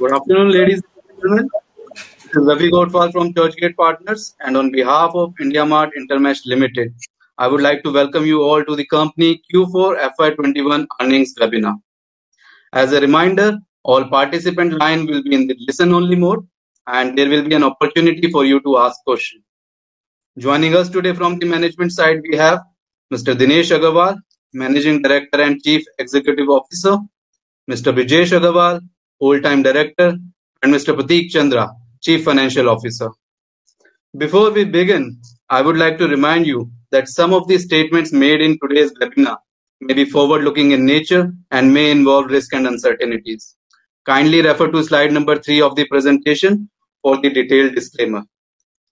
Good afternoon, ladies and gentlemen. This is Ravi Gothwal from Churchgate Partners, and on behalf of IndiaMART InterMESH Limited, I would like to welcome you all to the company Q4 FY2021 earnings webinar. As a reminder, all participant line will be in the listen only mode, and there will be an opportunity for you to ask questions. Joining us today from the management side, we have Mr. Dinesh Agarwal, Managing Director and Chief Executive Officer, Mr. Brijesh Agrawal, Whole-time Director, and Mr. Prateek Chandra, Chief Financial Officer. Before we begin, I would like to remind you that some of the statements made in today's webinar may be forward-looking in nature and may involve risks and uncertainties. Kindly refer to slide number three of the presentation for the detailed disclaimer.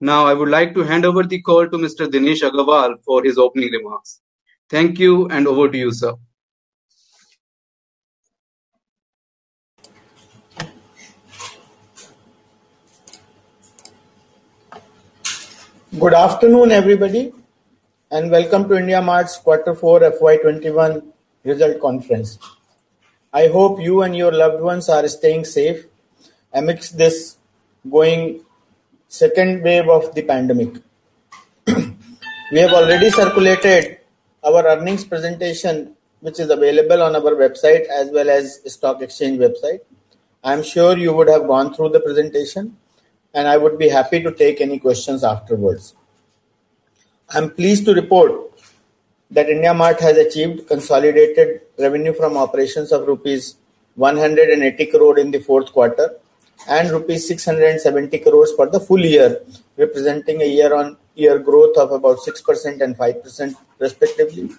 I would like to hand over the call to Mr. Dinesh Agarwal for his opening remarks. Thank you, and over to you, sir. Good afternoon, everybody. Welcome to IndiaMART's Quarter Four FY 2021 result conference. I hope you and your loved ones are staying safe amidst this going second wave of the pandemic. We have already circulated our earnings presentation, which is available on our website as well as stock exchange website. I'm sure you would have gone through the presentation. I would be happy to take any questions afterwards. I'm pleased to report that IndiaMART has achieved consolidated revenue from operations of rupees 180 crore in the fourth quarter, and rupees 670 crores for the full year, representing a year-on-year growth of about 6% and 5% respectively.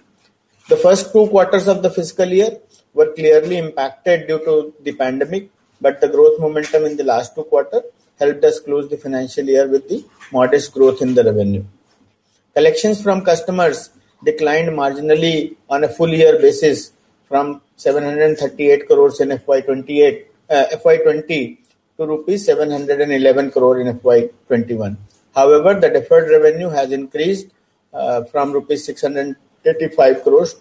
The first two quarters of the fiscal year were clearly impacted due to the pandemic. The growth momentum in the last two quarter helped us close the financial year with a modest growth in the revenue. Collections from customers declined marginally on a full year basis from 738 crores in FY20 to rupees 711 crore in FY21. However, the deferred revenue has increased from rupees 635 crores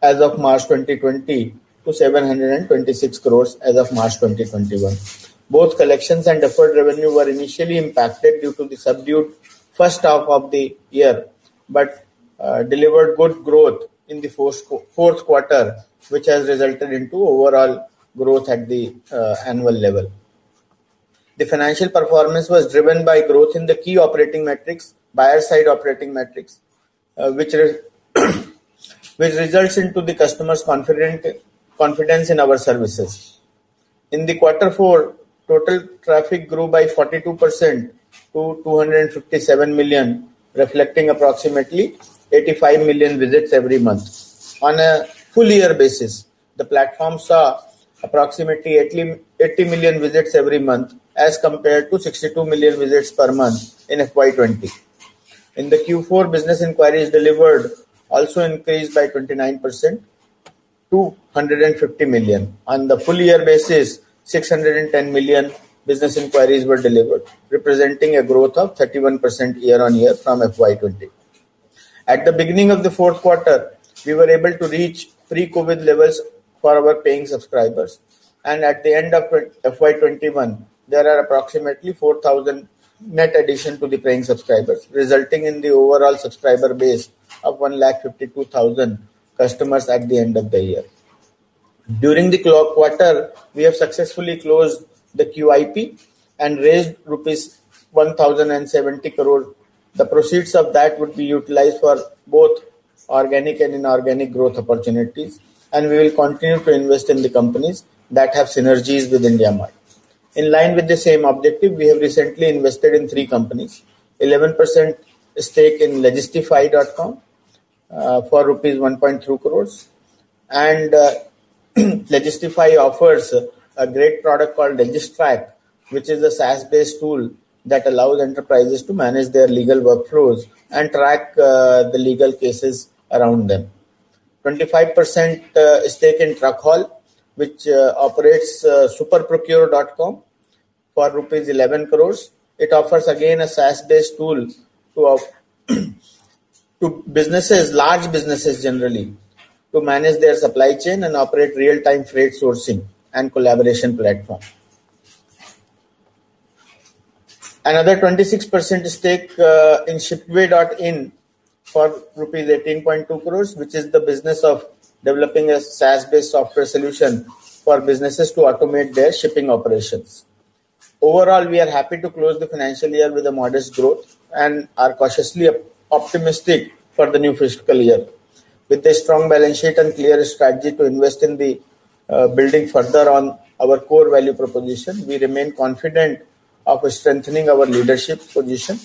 as of March 2020 to 726 crores as of March 2021. Both collections and deferred revenue were initially impacted due to the subdued first half of the year, but delivered good growth in the fourth quarter, which has resulted into overall growth at the annual level. The financial performance was driven by growth in the key operating metrics, buyer side operating metrics, which results into the customer's confidence in our services. In the quarter four, total traffic grew by 42% to 257 million, reflecting approximately 85 million visits every month. On a full year basis, the platform saw approximately 80 million visits every month as compared to 62 million visits per month in FY20. In the Q4, business inquiries delivered also increased by 29% to 150 million. On the full year basis, 610 million business inquiries were delivered, representing a growth of 31% year-on-year from FY20. At the beginning of the fourth quarter, we were able to reach pre-COVID levels for our paying subscribers. At the end of FY21, there are approximately 4,000 net addition to the paying subscribers, resulting in the overall subscriber base of 152,000 customers at the end of the year. During the quarter, we have successfully closed the QIP and raised rupees 1,070 crore. The proceeds of that would be utilized for both organic and inorganic growth opportunities, we will continue to invest in the companies that have synergies with IndiaMART. In line with the same objective, we have recently invested in three companies. 11% stake in legistify.com, for rupees 1.2 crores. Legistify offers a great product called LogisTracks, which is a SaaS-based tool that allows enterprises to manage their legal workflows and track the legal cases around them. 25% stake in Truckhall, which operates superprocure.com for rupees 11 crores. It offers, again, a SaaS-based tool to businesses, large businesses generally, to manage their supply chain and operate real-time freight sourcing and collaboration platform. Another 26% stake in shipway.in for rupees 18.2 crores, which is the business of developing a SaaS-based software solution for businesses to automate their shipping operations. Overall, we are happy to close the financial year with a modest growth and are cautiously optimistic for the new fiscal year. With a strong balance sheet and clear strategy to invest in the building further on our core value proposition, we remain confident of strengthening our leadership position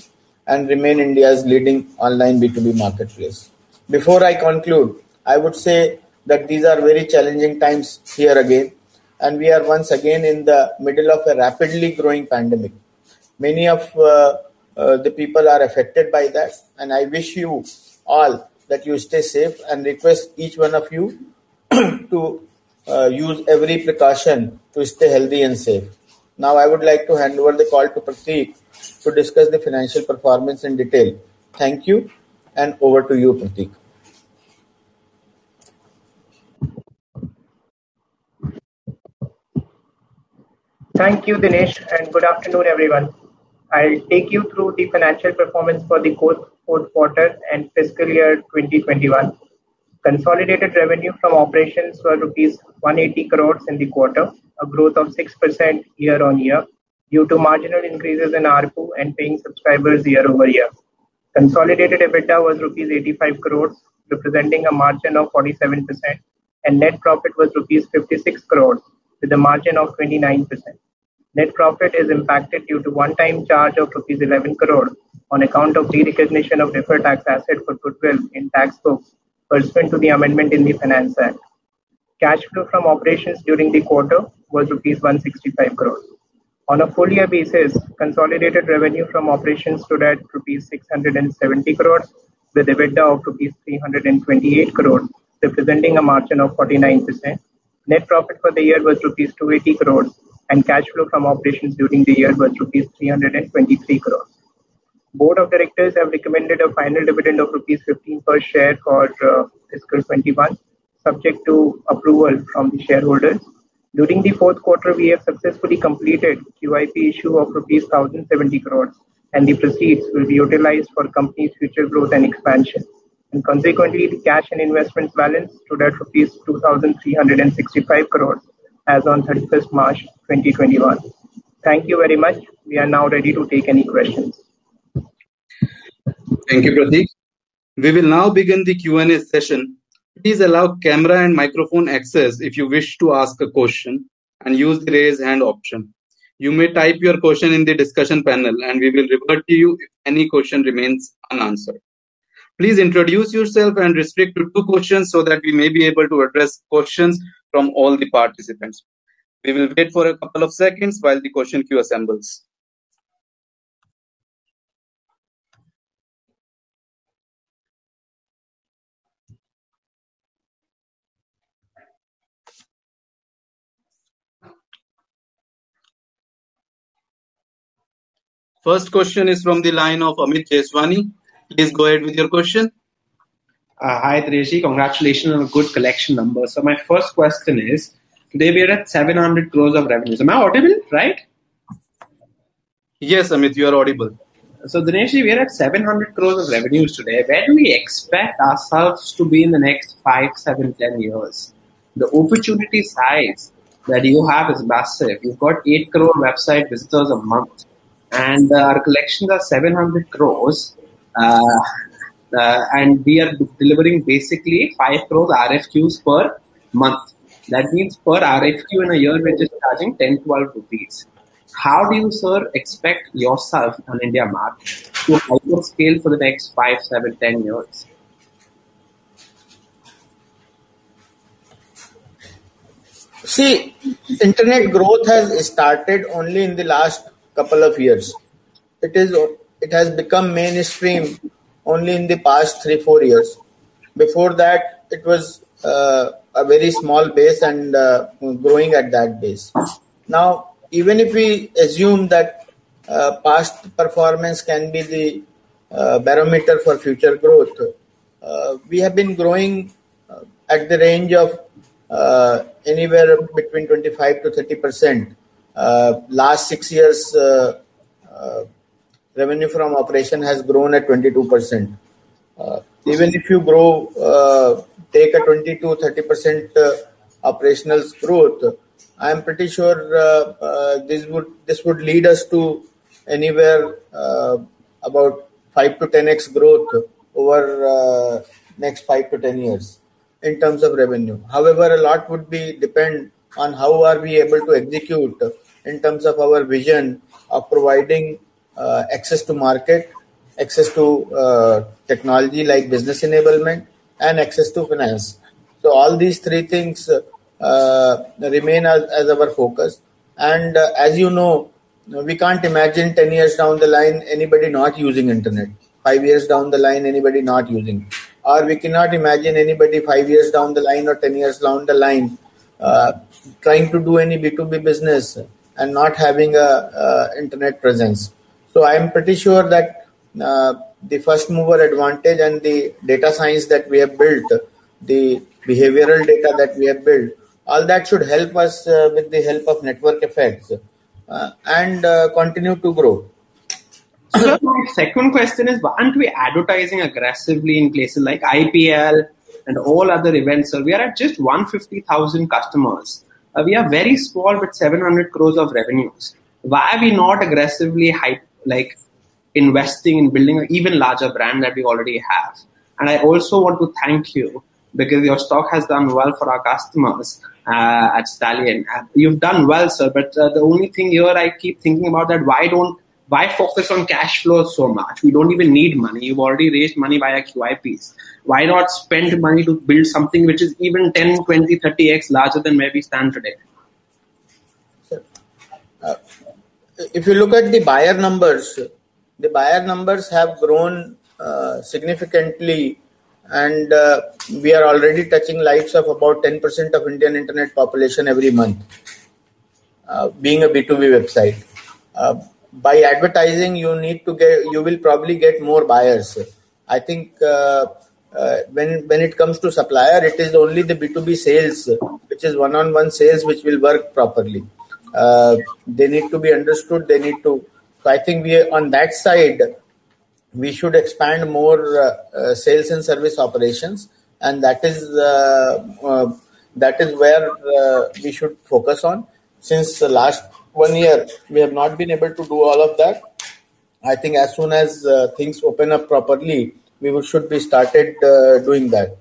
and remain India's leading online B2B marketplace. Before I conclude, I would say that these are very challenging times here again, and we are once again in the middle of a rapidly growing pandemic. Many of the people are affected by that, and I wish you all that you stay safe, and request each one of you to use every precaution to stay healthy and safe. Now, I would like to hand over the call to Prateek to discuss the financial performance in detail. Thank you, and over to you, Prateek. Thank you, Dinesh, and good afternoon, everyone. I'll take you through the financial performance for the fourth quarter and fiscal year 2021. Consolidated revenue from operations were rupees 180 crores in the quarter, a growth of 6% year-on-year due to marginal increases in ARPU and paying subscribers year-over-year. Consolidated EBITDA was rupees 85 crores, representing a margin of 47%, and net profit was rupees 56 crores with a margin of 29%. Net profit is impacted due to one-time charge of rupees 11 crore on account of derecognition of deferred tax asset for goodwill in tax books pursuant to the amendment in the Finance Act. Cash flow from operations during the quarter was rupees 165 crores. On a full year basis, consolidated revenue from operations stood at rupees 670 crores, with EBITDA of rupees 328 crores, representing a margin of 49%. Net profit for the year was rupees 280 crores, and cash flow from operations during the year was rupees 323 crores. Board of directors have recommended a final dividend of rupees 15 per share for FY21, subject to approval from the shareholders. During the fourth quarter, we have successfully completed QIP issue of rupees 1,070 crores, and the proceeds will be utilized for company's future growth and expansion. Consequently, the cash and investments balance stood at rupees 2,365 crores as on 31st March 2021. Thank you very much. We are now ready to take any questions. Thank you, Prateek. We will now begin the Q&A session. Please allow camera and microphone access if you wish to ask a question and use the raise hand option. You may type your question in the discussion panel, and we will revert to you if any question remains unanswered. Please introduce yourself and restrict to two questions so that we may be able to address questions from all the participants. We will wait for a couple of seconds while the question queue assembles. First question is from the line of Amit Jeswani. Please go ahead with your question. Hi, Prateek. Congratulations on a good collection number. My first question is, today we are at 700 crores of revenues. Am I audible right? Yes, Amit, you are audible. Dinesh, we are at 700 crore of revenues today. Where do we expect ourselves to be in the next five, seven, 10 years? The opportunity size that you have is massive. You've got eight crore website visitors a month, and our collections are 700 crore. We are delivering basically five crore RFQs per month. That means per RFQ in a year, we're just charging 10-12 rupees. How do you, sir, expect yourself on IndiaMART to also scale for the next five, seven, 10 years? See, internet growth has started only in the last couple of years. It has become mainstream only in the past three, four years. Before that, it was a very small base and growing at that base. Now, even if we assume that past performance can be the barometer for future growth, we have been growing at the range of anywhere between 25%-30%. Last six years, revenue from operation has grown at 22%. Even if you take a 20%-30% operational growth, I am pretty sure this would lead us to anywhere about 5x-10x growth over next 5-10 years in terms of revenue. However, a lot would be dependent on how are we able to execute in terms of our vision of providing access to market, access to technology like business enablement, and access to finance. All these three things remain as our focus. As you know, we can't imagine 10 years down the line anybody not using internet, five years down the line, anybody not using. We cannot imagine anybody five years down the line or 10 years down the line trying to do any B2B business and not having an internet presence. I am pretty sure that the first mover advantage and the data science that we have built, the behavioral data that we have built, all that should help us with the help of network effects, and continue to grow. Sir, my second question is, why aren't we advertising aggressively in places like IPL and all other events? Sir, we are at just 150,000 customers. We are very small with 700 crores of revenues. Why are we not aggressively investing in building an even larger brand that we already have? I also want to thank you because your stock has done well for our customers at Stallion. You've done well, sir, but the only thing here I keep thinking about that why focus on cash flows so much? We don't even need money. You've already raised money via QIPs. Why not spend money to build something which is even 10, 20, 30x larger than where we stand today? If you look at the buyer numbers, the buyer numbers have grown significantly, and we are already touching lives of about 10% of Indian internet population every month. Being a B2B website. By advertising, you will probably get more buyers. I think when it comes to supplier, it is only the B2B sales, which is one-on-one sales, which will work properly. They need to be understood. I think on that side, we should expand more sales and service operations, and that is where we should focus on. Since last one year, we have not been able to do all of that. I think as soon as things open up properly, we should be started doing that.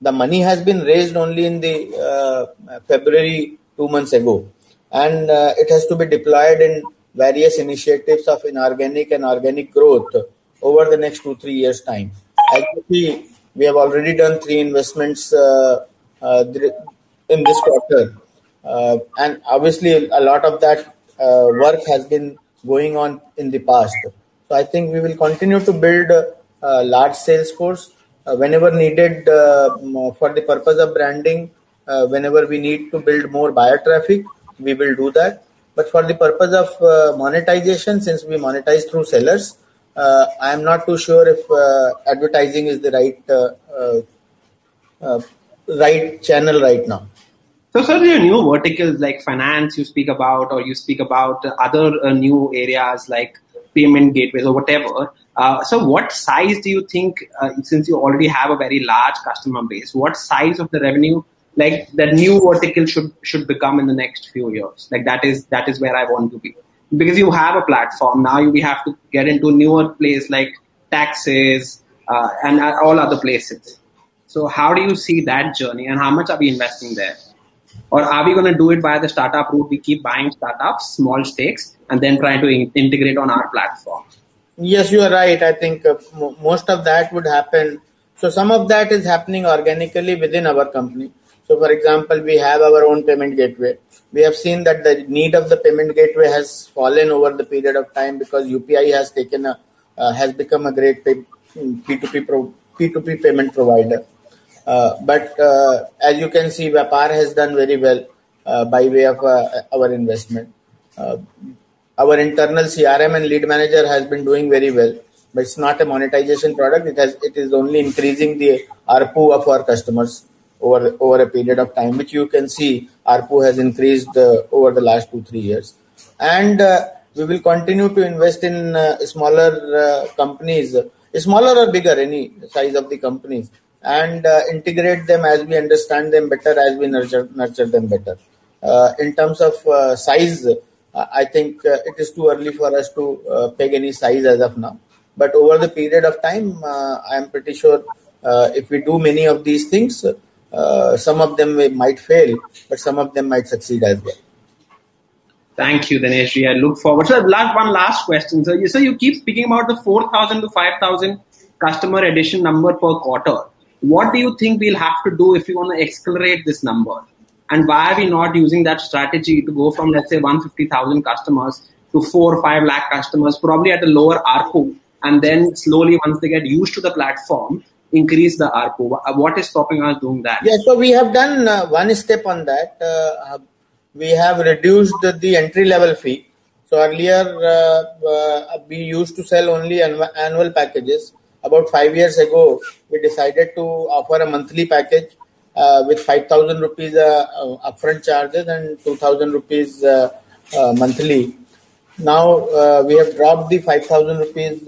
The money has been raised only in the February, two months ago, and it has to be deployed in various initiatives of inorganic and organic growth over the next two, three years' time. We have already done three investments in this quarter. Obviously, a lot of that work has been going on in the past. I think we will continue to build a large sales force whenever needed for the purpose of branding. Whenever we need to build more buyer traffic, we will do that. For the purpose of monetization, since we monetize through sellers, I am not too sure if advertising is the right channel right now. Sir, your new verticals like finance you speak about, or you speak about other new areas like payment gateways or whatever? Since you already have a very large customer base, what size of the revenue the new vertical should become in the next few years? Like, that is where I want to be. Because you have a platform, now we have to get into newer place like taxes and all other places. How do you see that journey, and how much are we investing there? Are we going to do it via the startup route? We keep buying startups, small stakes, and then trying to integrate on our platform. Yes, you are right. I think some of that is happening organically within our company. For example, we have our own payment gateway. We have seen that the need of the payment gateway has fallen over the period of time because UPI has become a great P2P payment provider. As you can see, Vyapar has done very well by way of our investment. Our internal CRM and Lead Manager has been doing very well, but it's not a monetization product. It is only increasing the ARPU of our customers over a period of time, which you can see ARPU has increased over the last two, three years. We will continue to invest in smaller companies, smaller or bigger, any size of the companies, and integrate them as we understand them better, as we nurture them better. In terms of size, I think it is too early for us to peg any size as of now. Over the period of time, I am pretty sure if we do many of these things, some of them might fail, but some of them might succeed as well. Thank you, Dinesh. I look forward to it. One last question, sir. You keep speaking about the 4,000 to 5,000 customer addition number per quarter. What do you think we'll have to do if you want to accelerate this number? Why are we not using that strategy to go from, let's say, 150,000 customers to 4 or 5 lakh customers, probably at a lower ARPU, and then slowly, once they get used to the platform, increase the ARPU? What is stopping us doing that? Yeah. We have done one step on that. We have reduced the entry-level fee. Earlier, we used to sell only annual packages. About five years ago, we decided to offer a monthly package with 5,000 rupees upfront charges and 2,000 rupees monthly. Now, we have dropped the 5,000 rupees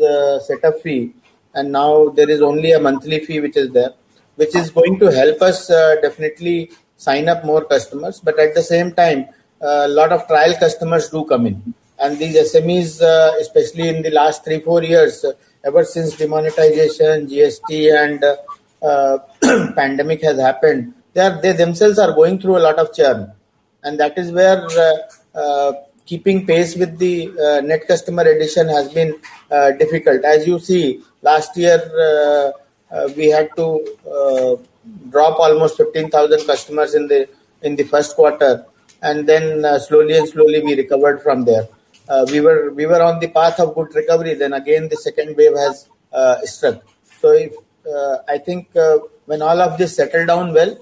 setup fee, and now there is only a monthly fee which is there, which is going to help us definitely sign up more customers. At the same time, a lot of trial customers do come in. These SMEs, especially in the last three, four years, ever since demonetization, GST, and pandemic has happened, they themselves are going through a lot of churn. That is where keeping pace with the net customer addition has been difficult. As you see, last year, we had to drop almost 15,000 customers in the first quarter, and then slowly and slowly we recovered from there. We were on the path of good recovery, then again, the second wave has struck. I think when all of this settle down well,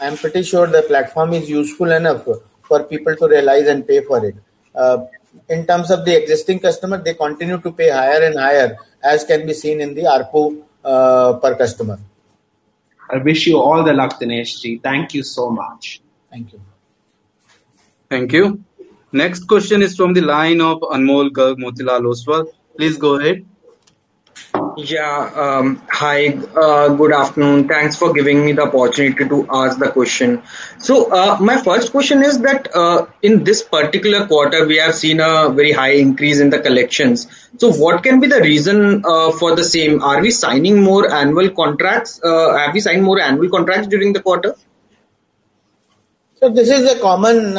I am pretty sure the platform is useful enough for people to realize and pay for it. In terms of the existing customer, they continue to pay higher and higher, as can be seen in the ARPU per customer. I wish you all the luck, Dinesh. Thank you so much. Thank you. Thank you. Next question is from the line of Anmol Garg, Motilal Oswal. Please go ahead. Yeah. Hi, good afternoon. Thanks for giving me the opportunity to ask the question. My first question is that in this particular quarter, we have seen a very high increase in the collections. What can be the reason for the same? Are we signing more annual contracts? Have we signed more annual contracts during the quarter? Sir, this is a common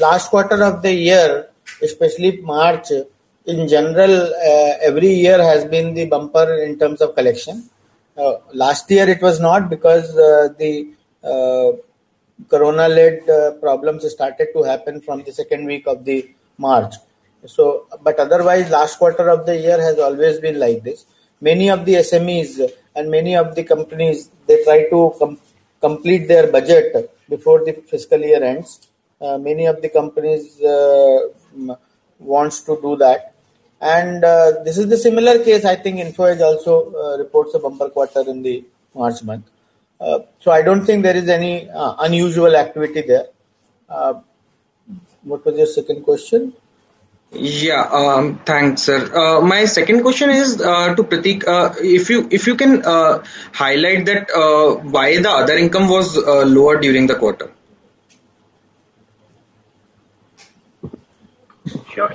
last quarter of the year, especially March. In general, every year has been the bumper in terms of collection. Last year it was not because the corona-led problems started to happen from the second week of March. Otherwise, last quarter of the year has always been like this. Many of the SMEs and many of the companies, they try to complete their budget before the fiscal year ends. Many of the companies want to do that. This is the similar case, I think Info Edge also reports a bumper quarter in the March month. I don't think there is any unusual activity there. What was your second question? Yeah. Thanks, sir. My second question is to Prateek. If you can highlight why the other income was lower during the quarter? Sure.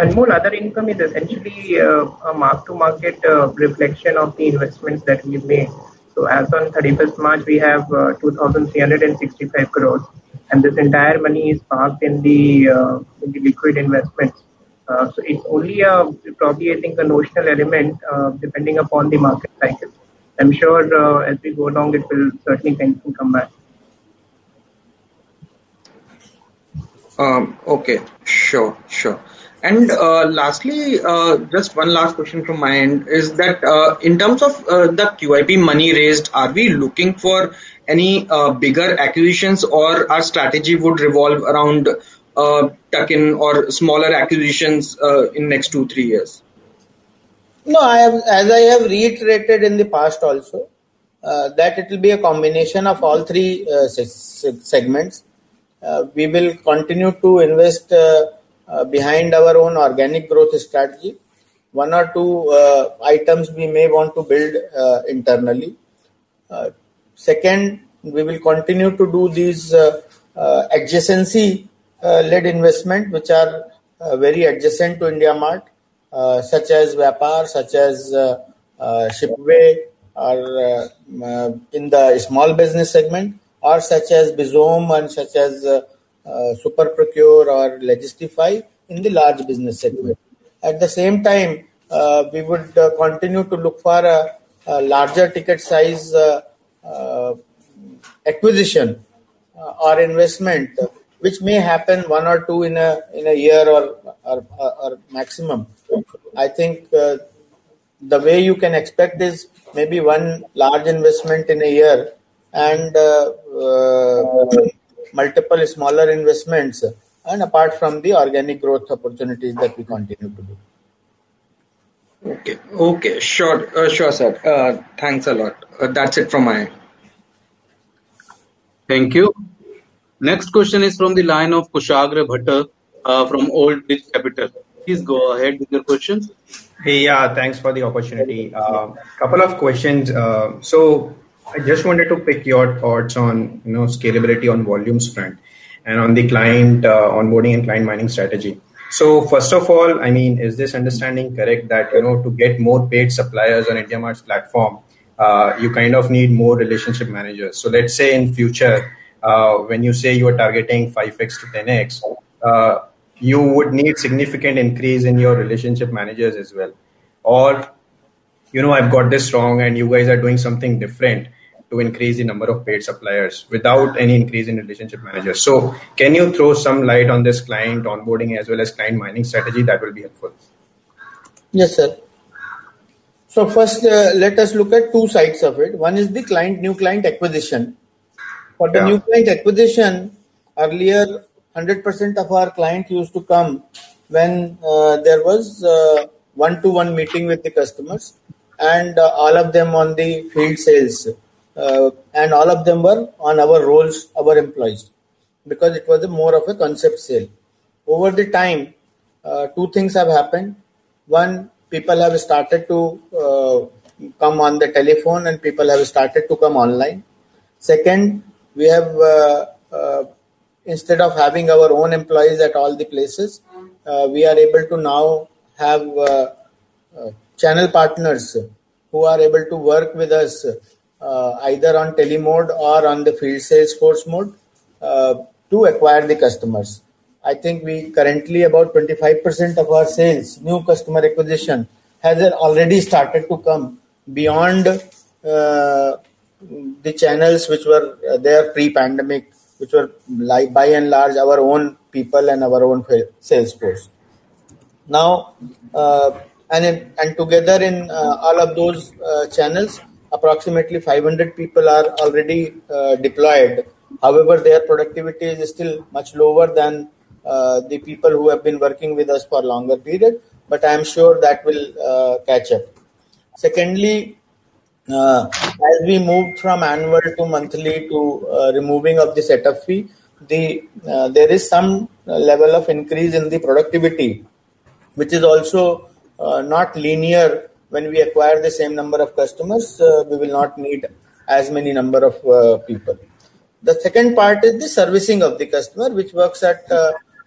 Anmol, other income is essentially a mark-to-market reflection of the investments that we've made. As on 31st March, we have 2,365 crores, and this entire money is parked in the liquid investments. It's only probably, I think, a notional element, depending upon the market prices. I'm sure as we go along, it will certainly tend to come back. Okay. Sure. Lastly, just one last question from my end is that in terms of the QIP money raised, are we looking for any bigger acquisitions or our strategy would revolve around tuck-in or smaller acquisitions in next two, three years? No, as I have reiterated in the past also, that it will be a combination of all three segments. We will continue to invest behind our own organic growth strategy. One or two items we may want to build internally. Second, we will continue to do these adjacency-led investment, which are very adjacent to IndiaMART, such as Vyapar, such as Shipway, or in the small business segment, or such as Bizom and such as SuperProcure or Logistify in the large business segment. At the same time, we would continue to look for a larger ticket size acquisition or investment, which may happen one or two in a year or maximum. I think the way you can expect is maybe one large investment in a year and multiple smaller investments, and apart from the organic growth opportunities that we continue to do. Okay. Sure, sir. Thanks a lot. That's it from my end. Thank you. Next question is from the line of Kushagra Bhattar from Old Bridge Capital. Please go ahead with your questions. Thanks for the opportunity. Couple of questions. I just wanted to pick your thoughts on scalability on volumes front and on the client onboarding and client mining strategy. First of all, is this understanding correct that to get more paid suppliers on IndiaMART's platform, you kind of need more relationship managers? Let's say in future, when you say you are targeting 5X-10X, you would need significant increase in your relationship managers as well. I've got this wrong and you guys are doing something different to increase the number of paid suppliers without any increase in relationship managers. Can you throw some light on this client onboarding as well as client mining strategy? That will be helpful. Yes, sir. First, let us look at two sides of it. One is the new client acquisition. Yeah. For the new client acquisition, earlier, 100% of our clients used to come when there was one-to-one meeting with the customers, and all of them on the field sales, and all of them were on our rolls, our employees. It was more of a concept sale. Over the time, two things have happened. One, people have started to come on the telephone and people have started to come online. Second, instead of having our own employees at all the places, we are able to now have channel partners who are able to work with us, either on tele mode or on the field sales force mode, to acquire the customers. I think currently about 25% of our sales, new customer acquisition, has already started to come beyond the channels which were there pre-pandemic, which were by and large, our own people and our own sales force. Together in all of those channels, approximately 500 people are already deployed. However, their productivity is still much lower than the people who have been working with us for longer period, but I'm sure that will catch up. Secondly, as we moved from annual to monthly to removing of the setup fee, there is some level of increase in the productivity, which is also not linear. When we acquire the same number of customers, we will not need as many number of people. The second part is the servicing of the customer, which works at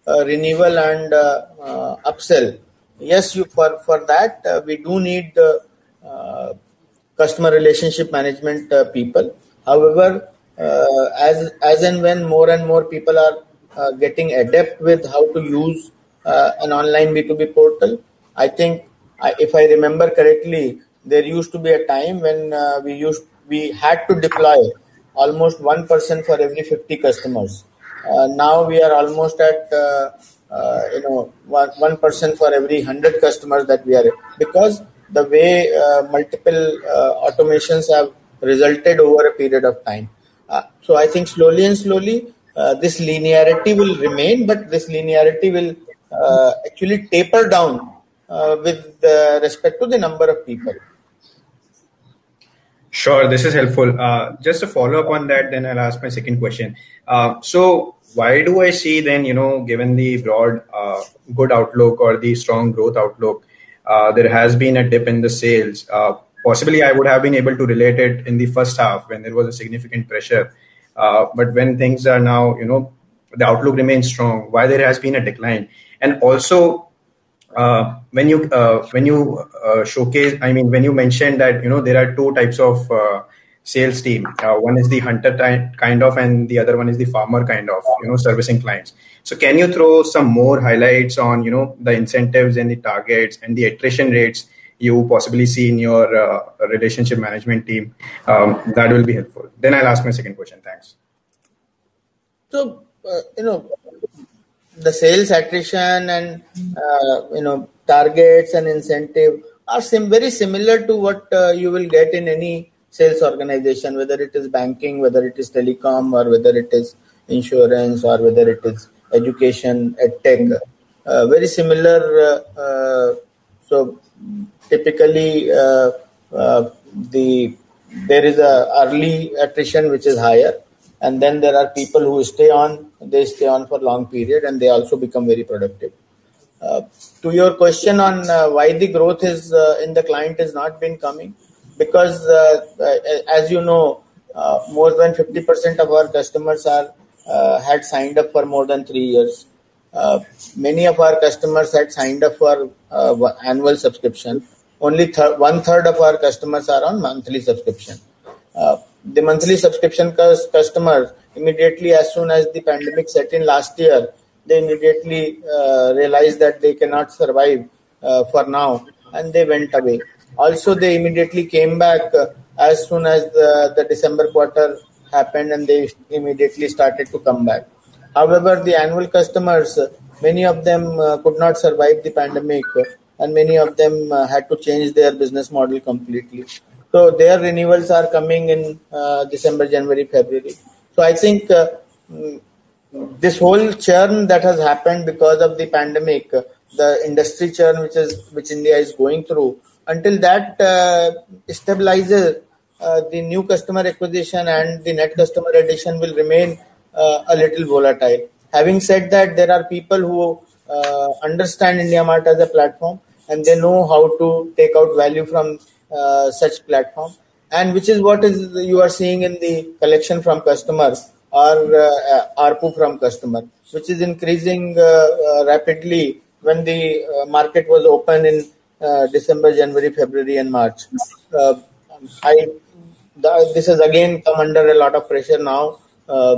renewal and upsell. Yes, for that, we do need customer relationship management people. However, as and when more and more people are getting adept with how to use an online B2B portal, I think, if I remember correctly, there used to be a time when we had to deploy almost 1% for every 50 customers. Now we are almost at 1% for every 100 customers that we are in, because the way multiple automations have resulted over a period of time. I think slowly and slowly, this linearity will remain, but this linearity will actually taper down with respect to the number of people. Sure. This is helpful. Just a follow-up on that, I'll ask my second question. Why do I see then, given the broad good outlook or the strong growth outlook, there has been a dip in the sales? Possibly, I would have been able to relate it in the first half when there was a significant pressure. When things are now, the outlook remains strong, why there has been a decline? Also when you mentioned that there are two types of sales team, one is the hunter kind of, and the other one is the farmer kind of servicing clients. Can you throw some more highlights on the incentives and the targets and the attrition rates you possibly see in your relationship management team? That will be helpful. I'll ask my second question. Thanks. The sales attrition and targets and incentive are very similar to what you will get in any sales organization, whether it is banking, whether it is telecom, or whether it is insurance, or whether it is education, edtech. Very similar. Typically, there is early attrition, which is higher, and then there are people who stay on, they stay on for long period, and they also become very productive. To your question on why the growth in the client has not been coming, because as you know, more than 50% of our customers had signed up for more than three years. Many of our customers had signed up for annual subscription. Only one-third of our customers are on monthly subscription. The monthly subscription customers, immediately as soon as the pandemic set in last year, they immediately realized that they cannot survive for now, and they went away. They immediately came back as soon as the December quarter happened, and they immediately started to come back. The annual customers, many of them could not survive the pandemic, and many of them had to change their business model completely. Their renewals are coming in December, January, February. I think this whole churn that has happened because of the pandemic, the industry churn which India is going through, until that stabilizes, the new customer acquisition and the net customer addition will remain a little volatile. Having said that, there are people who understand IndiaMART as a platform, and they know how to take out value from such platform, and which is what you are seeing in the collection from customers or ARPU from customer, which is increasing rapidly when the market was open in December, January, February, and March. This has again come under a lot of pressure now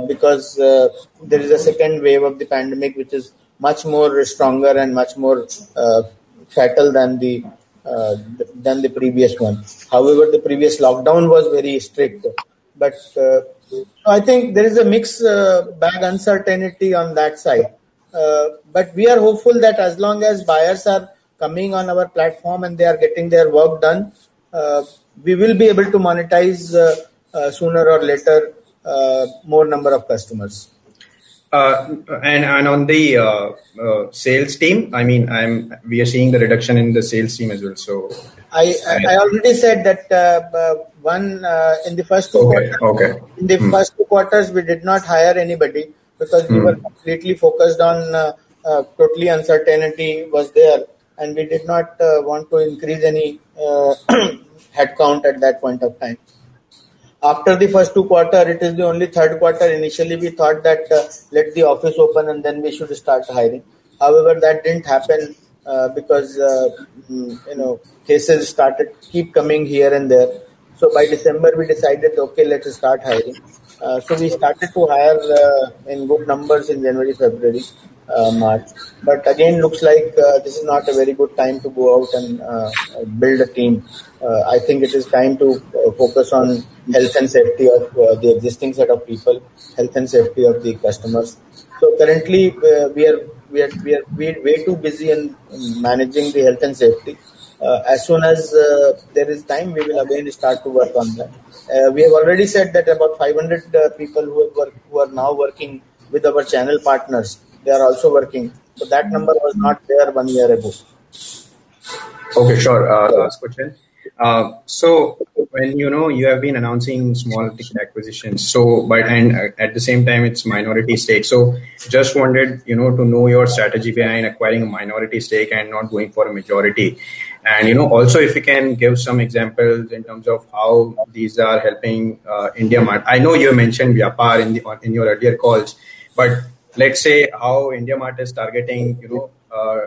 because there is a second wave of the pandemic which is much more stronger and much more fatal than the previous one. However, the previous lockdown was very strict. I think there is a mixed bag uncertainty on that side. We are hopeful that as long as buyers are coming on our platform and they are getting their work done, we will be able to monetize, sooner or later, more number of customers. On the sales team, we are seeing the reduction in the sales team as well. I already said that, one, in the first two quarter- Okay. In the first two quarters, we did not hire anybody because. We were completely focused on uncertainty was there. We did not want to increase any headcount at that point of time. After the first two quarter, it is the only third quarter. Initially, we thought that let the office open and then we should start hiring. That didn't happen because cases started keep coming here and there. By December, we decided, okay, let us start hiring. We started to hire in good numbers in January, February, March. Again, looks like this is not a very good time to go out and build a team. I think it is time to focus on health and safety of the existing set of people, health and safety of the customers. Currently, we are way too busy in managing the health and safety. As soon as there is time, we will again start to work on that. We have already said that about 500 people who are now working with our channel partners, they are also working. That number was not there one year ago. Okay, sure. Last question. When you have been announcing small ticket acquisitions, but at the same time, it's minority stake. Just wondered to know your strategy behind acquiring a minority stake and not going for a majority. Also, if you can give some examples in terms of how these are helping IndiaMART. I know you mentioned Vyapar in your earlier calls, but let's say how IndiaMART is targeting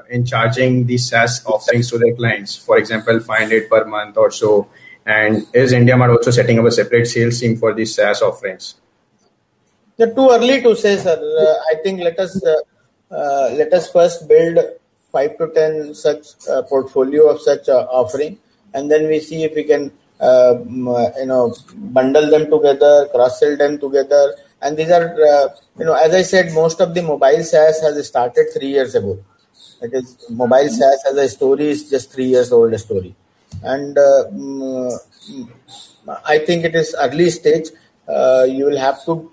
in charging the SaaS offerings to their clients, for example, INR 500 per month or so. Is IndiaMART also setting up a separate sales team for these SaaS offerings? Too early to say, sir. I think let us first build 5-10 such portfolio of such offering. Then we see if we can bundle them together, cross-sell them together. As I said, most of the mobile SaaS has started three years ago. That is, mobile SaaS as a story is just three years old story. I think it is early stage. You will have to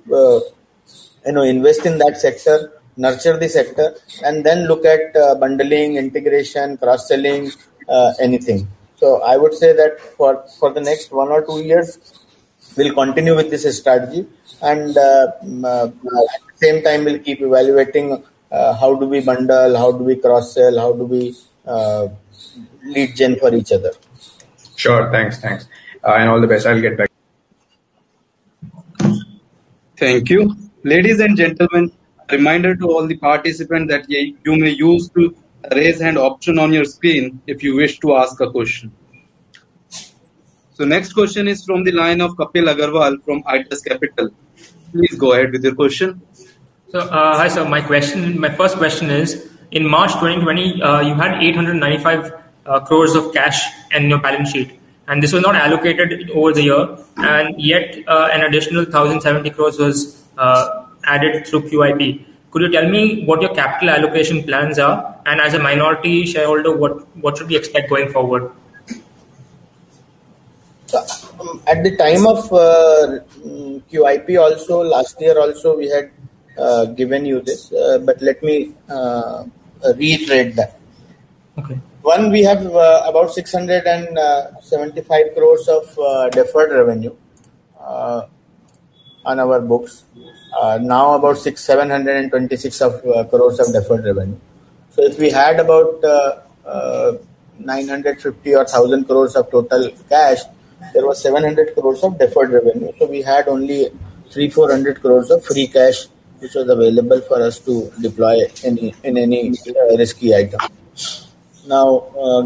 invest in that sector, nurture the sector. Then look at bundling, integration, cross-selling, anything. I would say that for the next one or two years, we'll continue with this strategy and at the same time we'll keep evaluating how do we bundle, how do we cross-sell, how do we lead gen for each other. Sure. Thanks. All the best. I'll get back. Thank you. Ladies and gentlemen, reminder to all the participants that you may use the raise hand option on your screen if you wish to ask a question. Next question is from the line of Kapil Agarwal from [Max Life Insurance]. Please go ahead with your question. Hi, sir. My first question is, in March 2020, you had 895 crore of cash in your balance sheet, and this was not allocated over the year, and yet, an additional 1,070 crore was added through QIP. Could you tell me what your capital allocation plans are? As a minority shareholder, what should we expect going forward? At the time of QIP also, last year also, we had given you this, but let me reiterate that. Okay. One, we have about 675 crore of deferred revenue on our books. Now about 726 crore of deferred revenue. If we had about 950 or 1,000 crore of total cash, there was 700 crore of deferred revenue. We had only 300, 400 crore of free cash, which was available for us to deploy in any risky item.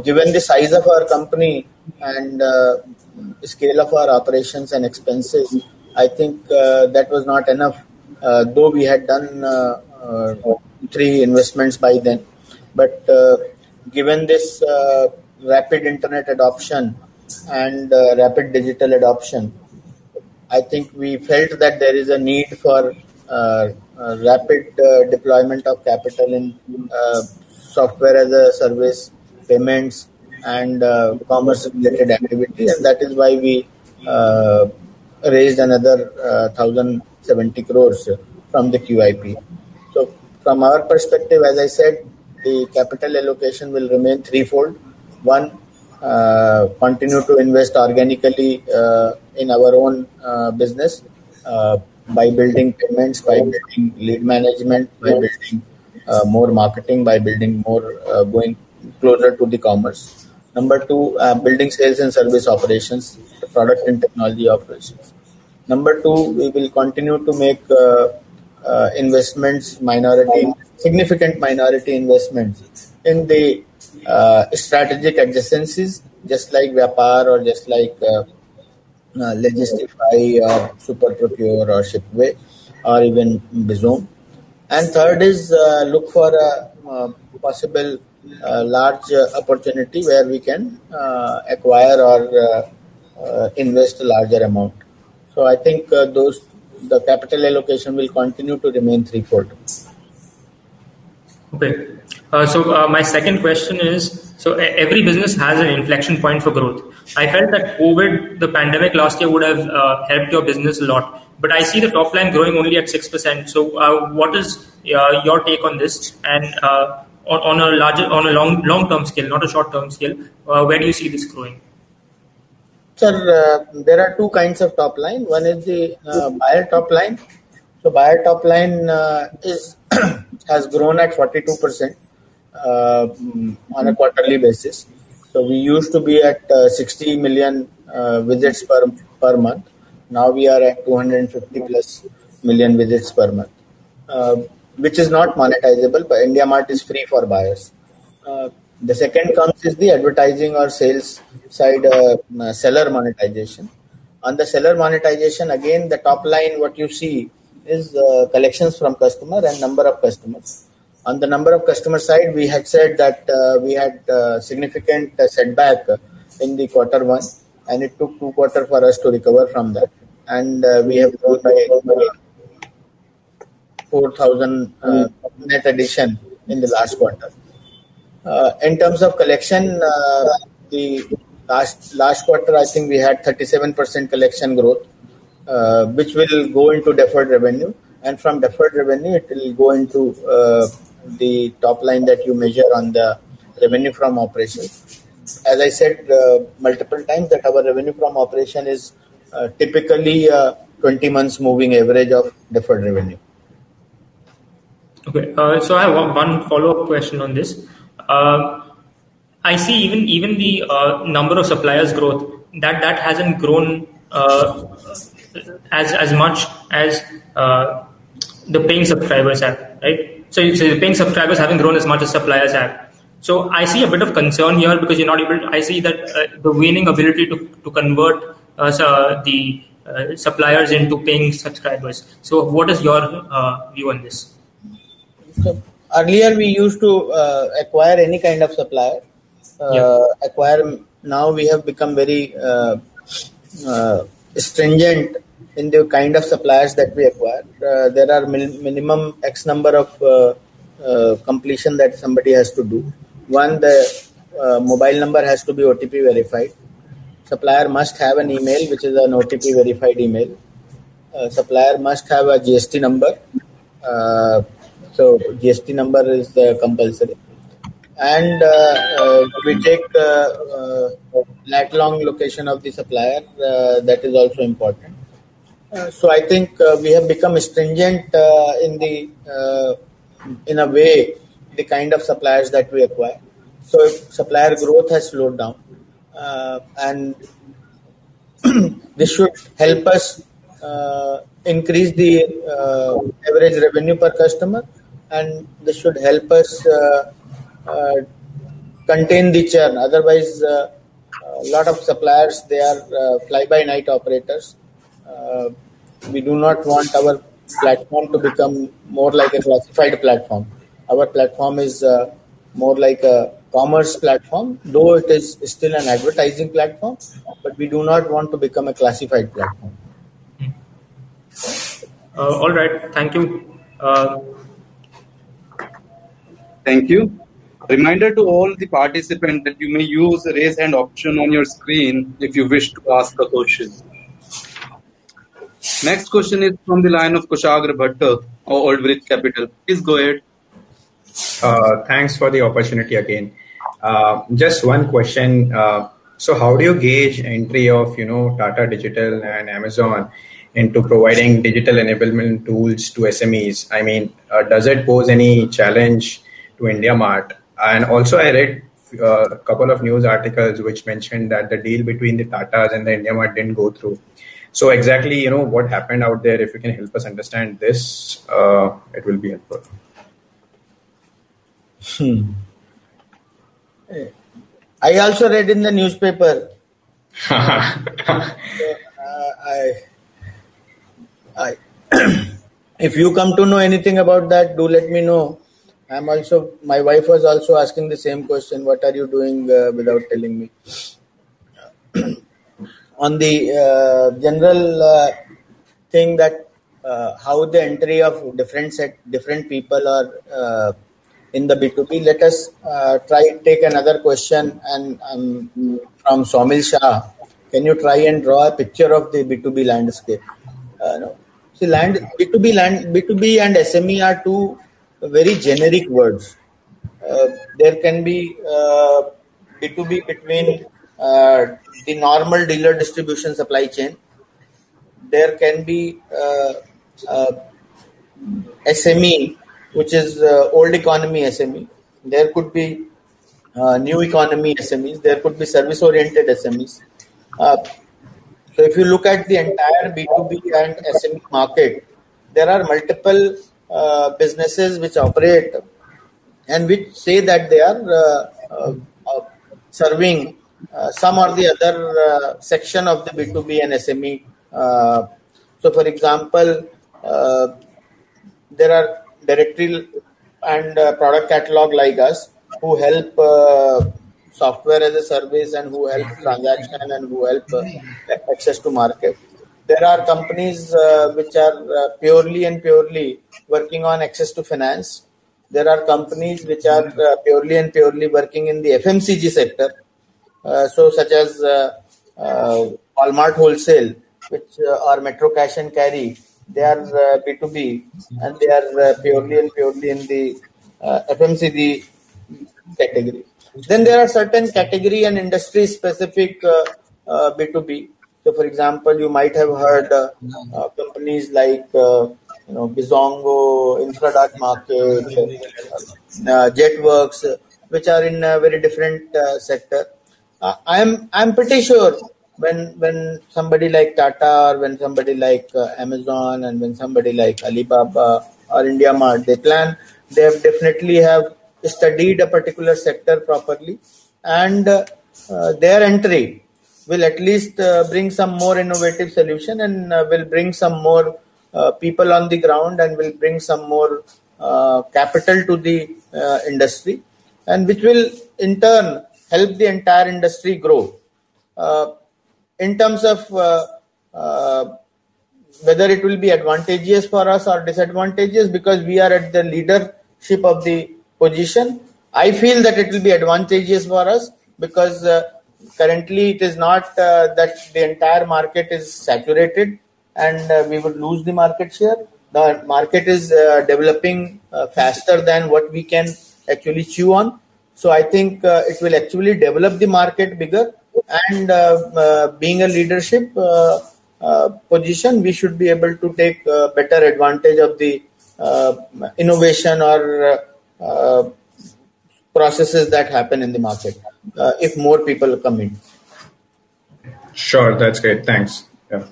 Given the size of our company and scale of our operations and expenses, I think that was not enough. Though we had done three investments by then. Given this rapid internet adoption and rapid digital adoption, I think we felt that there is a need for rapid deployment of capital in Software as a Service, payments, and commerce related activities. That is why we raised another 1,070 crore from the QIP. From our perspective, as I said, the capital allocation will remain threefold. One, continue to invest organically in our own business by building payments, by building lead management, by building more marketing, by building more going closer to the commerce. Number two, building sales and service operations, product and technology operations. Number two, we will continue to make significant minority investments in the strategic adjacencies just like Vyapar or just like Logistify or SuperProcure or Shipway or even Bizom. Third is look for a possible large opportunity where we can acquire or invest a larger amount. I think the capital allocation will continue to remain threefold. Okay. My second question is, every business has an inflection point for growth. I felt that COVID, the pandemic last year would have helped your business a lot, but I see the top line growing only at 6%. What is your take on this and on a long-term scale, not a short-term scale, where do you see this growing? Sir, there are two kinds of top line. One is the buyer top line. Buyer top line has grown at 42% on a quarterly basis. We used to be at 60 million visits per month, now we are at 250+ million visits per month. Which is not monetizable, but IndiaMART is free for buyers. The second comes is the advertising or sales side, seller monetization. On the seller monetization, again, the top line what you see is collections from customer and number of customers. On the number of customer side, we had said that we had significant setback in the quarter one, and it took two quarter for us to recover from that, and we have grown by over 4,000 net addition in the last quarter. In terms of collection, the last quarter I think we had 37% collection growth, which will go into deferred revenue. From deferred revenue it will go into the top line that you measure on the revenue from operations. As I said multiple times that our revenue from operation is typically 20 months moving average of deferred revenue. Okay. I have one follow-up question on this. I see even the number of suppliers growth, that hasn't grown as much as the paying subscribers have. Right? The paying subscribers haven't grown as much as suppliers have. I see a bit of concern here, I see the waning ability to convert the suppliers into paying subscribers. What is your view on this? Earlier we used to acquire any kind of supplier. Yeah. We have become very stringent in the kind of suppliers that we acquire. There are minimum X number of completion that somebody has to do. One, the mobile number has to be OTP verified. Supplier must have an email, which is an OTP verified email. A supplier must have a GST number. GST number is compulsory. We take the lat-long location of the supplier, that is also important. I think we have become stringent in a way, the kind of suppliers that we acquire. Supplier growth has slowed down. This should help us increase the average revenue per customer and this should help us contain the churn. Otherwise, a lot of suppliers, they are fly-by-night operators. We do not want our platform to become more like a classified platform. Our platform is more like a commerce platform, though it is still an advertising platform, but we do not want to become a classified platform. All right, thank you. Thank you. Reminder to all the participants that you may use raise hand option on your screen if you wish to ask a question. Next question is from the line of Kushagra Bhattar of Old Bridge Capital. Please go ahead. Thanks for the opportunity again. Just one question. How do you gauge entry of Tata Digital and Amazon into providing digital enablement tools to SMEs? Does it pose any challenge to IndiaMART? Also, I read a couple of news articles which mentioned that the deal between the Tatas and the IndiaMART didn't go through. Exactly, what happened out there? If you can help us understand this, it will be helpful. I also read in the newspaper. If you come to know anything about that, do let me know. My wife was also asking the same question, "What are you doing without telling me?" On the general thing that how the entry of different people are in the B2B, let us try take another question from Somil Shah. Can you try and draw a picture of the B2B landscape? B2B and SME are two very generic words. There can be B2B between the normal dealer distribution supply chain. There can be SME, which is old economy SME. There could be new economy SMEs, there could be service-oriented SMEs. If you look at the entire B2B and SME market, there are multiple businesses which operate and which say that they are serving some or the other section of the B2B and SME. For example, there are directory and product catalog like us, who help software as a service, and who help transaction, and who help access to market. There are companies which are purely and purely working on access to finance. There are companies which are purely and purely working in the FMCG sector, such as Walmart Wholesale or Metro Cash and Carry. They are B2B, and they are purely and purely in the FMCG category. There are certain category and industry specific B2B. For example, you might have heard companies like Bizongo, Infra.Market, Zetwerk, which are in a very different sector. I'm pretty sure when somebody like Tata, or when somebody like Amazon, and when somebody like Alibaba or IndiaMART, they plan, they definitely have studied a particular sector properly. Their entry will at least bring some more innovative solution and will bring some more people on the ground and will bring some more capital to the industry, which will in turn help the entire industry grow. In terms of whether it will be advantageous for us or disadvantageous because we are at the leadership of the position, I feel that it will be advantageous for us because currently it is not that the entire market is saturated and we would lose the market share. The market is developing faster than what we can actually chew on. I think it will actually develop the market bigger, and being a leadership position, we should be able to take better advantage of the innovation or processes that happen in the market if more people come in. Sure. That's great. Thanks. Yeah.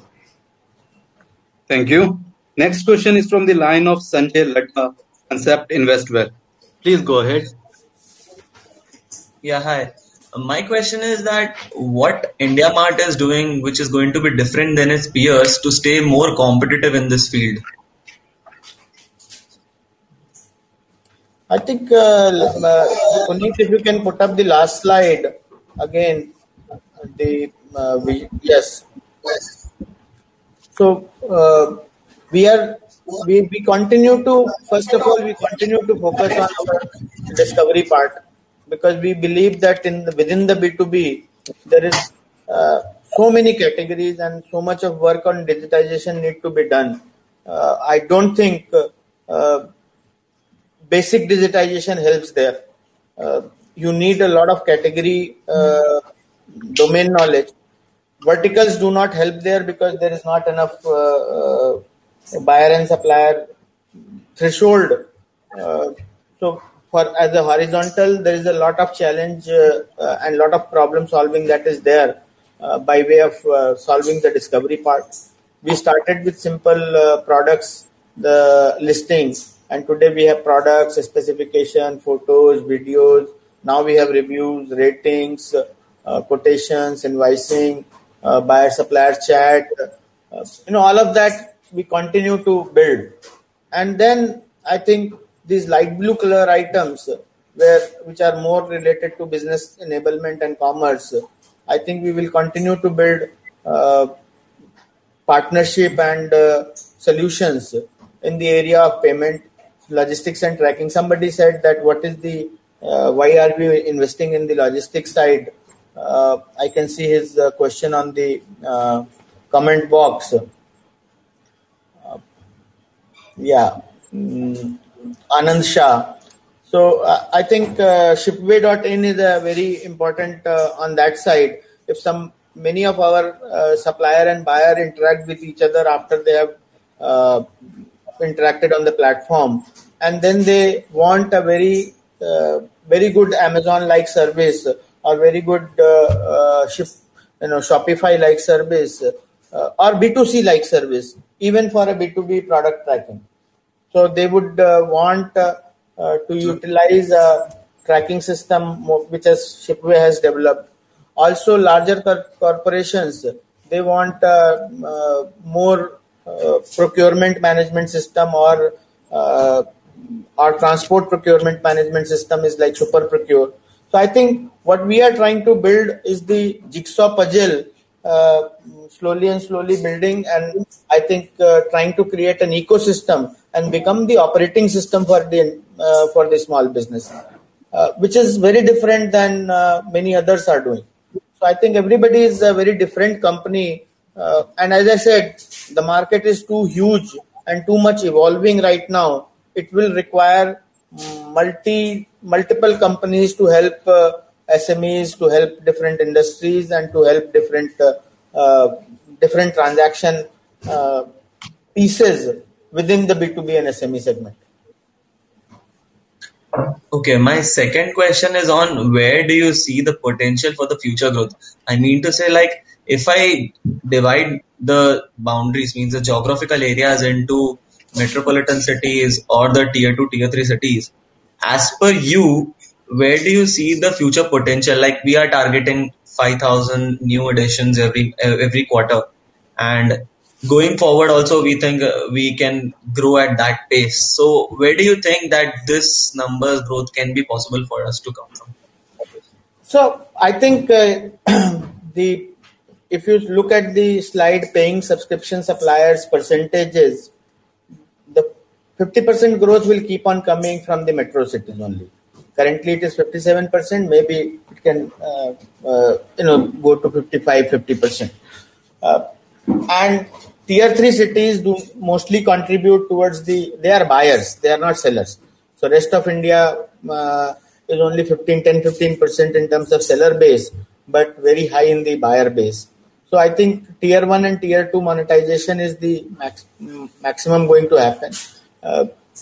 Thank you. Next question is from the line of Sanjay Ladha, Concept Investwell. Please go ahead. Yeah. Hi. My question is that what IndiaMART is doing, which is going to be different than its peers to stay more competitive in this field? I think, Prateek, if you can put up the last slide again. Yes. First of all, we continue to focus on our discovery part because we believe that within the B2B, there is so many categories and so much of work on digitization need to be done. I don't think basic digitization helps there. You need a lot of category domain knowledge. Verticals do not help there because there is not enough buyer and supplier threshold. As a horizontal, there is a lot of challenge, and a lot of problem-solving that is there, by way of solving the discovery part. We started with simple products, the listings, and today we have products, specification, photos, videos. Now we have reviews, ratings, quotations, invoicing, buyer-supplier chat. All of that we continue to build. I think these light blue color items, which are more related to business enablement and commerce, I think we will continue to build partnership and solutions in the area of payment, logistics, and tracking. Somebody said that why are we investing in the logistics side? I can see his question on the comment box. Yeah. Anand Shah. I think shipway.in is very important on that side. If many of our supplier and buyer interact with each other after they have interacted on the platform, and then they want a very good Amazon-like service or very good Shopify-like service, or B2C-like service, even for a B2B product tracking. They would want to utilize a tracking system which Shipway has developed. Also larger corporations, they want more procurement management system or transport procurement management system is like SuperProcure. I think what we are trying to build is the jigsaw puzzle, slowly and slowly building, and I think, trying to create an ecosystem and become the operating system for the small business. Which is very different than many others are doing. I think everybody is a very different company. As I said, the market is too huge and too much evolving right now. It will require multiple companies to help SMEs to help different industries and to help different transaction pieces within the B2B and SME segment. Okay. My second question is on where do you see the potential for the future growth? I mean to say like, if I divide the boundaries, means the geographical areas into metropolitan cities or the Tier 2, Tier 3 cities, as per you, where do you see the future potential? We are targeting 5,000 new additions every quarter, and going forward also, we think we can grow at that pace. Where do you think that this numbers growth can be possible for us to come from? I think, if you look at the slide paying subscription suppliers percentages, the 50% growth will keep on coming from the metro cities only. Currently it is 57%, maybe it can go to 55%, 50%. Tier 3 cities mostly contribute towards. They are buyers, they are not sellers. Rest of India is only 10%, 15% in terms of seller base, but very high in the buyer base. I think Tier 1 and Tier 2 monetization is the maximum going to happen.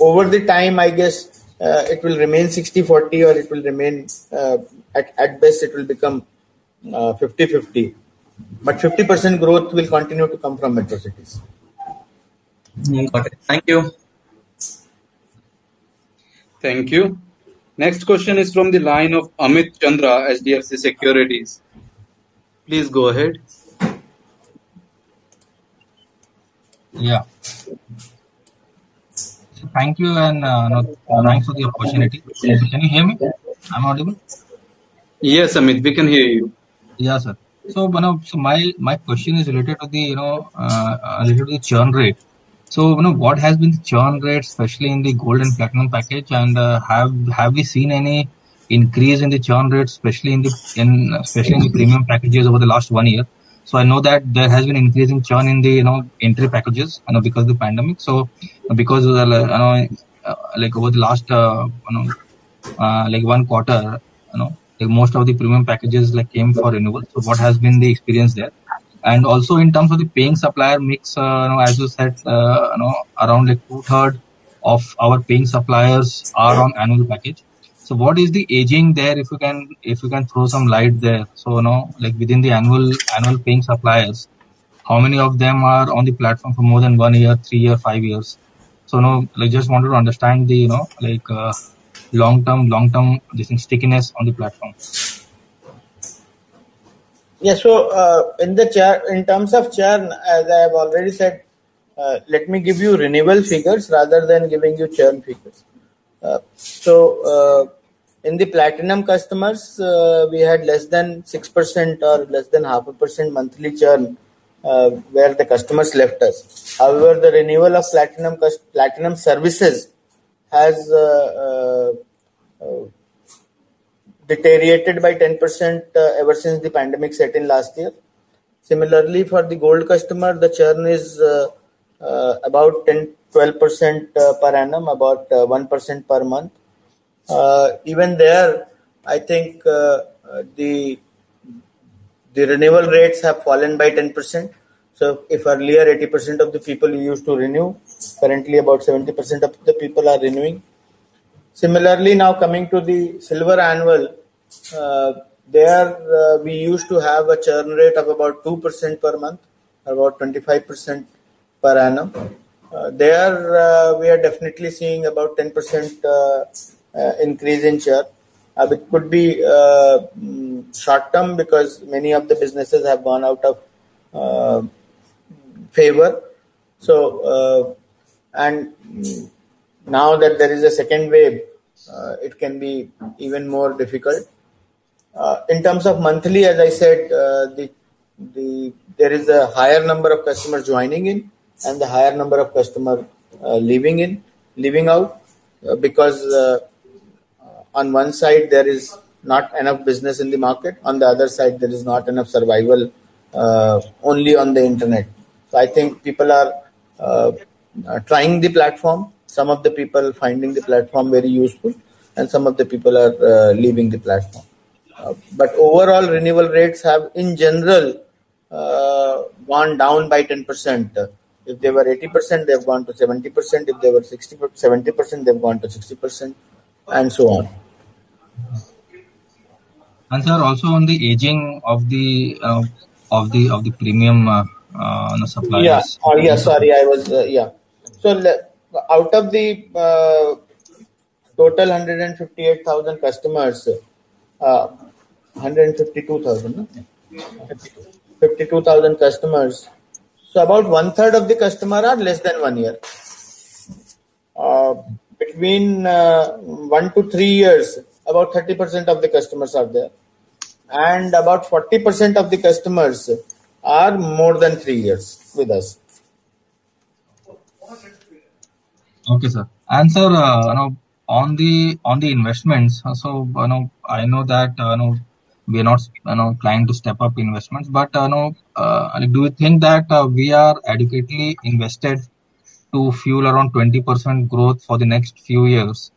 Over the time, I guess, it will remain 60-40, or at best it will become 50-50. 50% growth will continue to come from metro cities. Got it. Thank you. Thank you. Next question is from the line of Amit Chandra, HDFC Securities. Please go ahead. Yeah. Thank you, and thanks for the opportunity. Can you hear me? I'm audible? Yes, Amit, we can hear you. Yeah, sir. My question is related to the churn rate. What has been the churn rate, especially in the gold and platinum package? Have we seen any increase in the churn rate, especially in the premium packages over the last one year? I know that there has been increasing churn in the entry packages because of the pandemic. Because over the last one quarter, most of the premium packages came for renewal. What has been the experience there? Also in terms of the paying supplier mix, as you said, around two-thirds of our paying suppliers are on annual package. What is the aging there? If you can throw some light there. Within the annual paying suppliers, how many of them are on the platform for more than one year, three years, five years? I just want to understand the long-term stickiness on the platform. Yeah. In terms of churn, as I have already said, let me give you renewal figures rather than giving you churn figures. In the platinum customers, we had less than 6% or less than 0.5% monthly churn, where the customers left us. However, the renewal of platinum services has deteriorated by 10% ever since the pandemic set in last year. Similarly, for the gold customer, the churn is about 12% per annum, about 1% per month. Even there, I think the renewal rates have fallen by 10%. If earlier 80% of the people used to renew, currently about 70% of the people are renewing. Similarly, now coming to the silver annual, there we used to have a churn rate of about 2% per month, about 25% per annum. There we are definitely seeing about 10% increase in churn. It could be short-term because many of the businesses have gone out of favor. Now that there is a second wave, it can be even more difficult. In terms of monthly, as I said, there is a higher number of customers joining in and a higher number of customer leaving out because on one side there is not enough business in the market, on the other side, there is not enough survival only on the internet. I think people are trying the platform. Some of the people finding the platform very useful, and some of the people are leaving the platform. Overall renewal rates have, in general, gone down by 10%. If they were 80%, they've gone to 70%. If they were 70%, they've gone to 60%, and so on. Sir, also on the aging of the premium suppliers. Yeah. Sorry. Out of the total 158,000 customers, 152,000 no? 52,000. 52,000 customers. About one third of the customer are less than one year. Between one to three years, about 30% of the customers are there, and about 40% of the customers are more than three years with us. Okay, sir. Sir, on the investments also, I know that we are not planning to step up investments, but do we think that we are adequately invested to fuel around 20% growth for the next few years?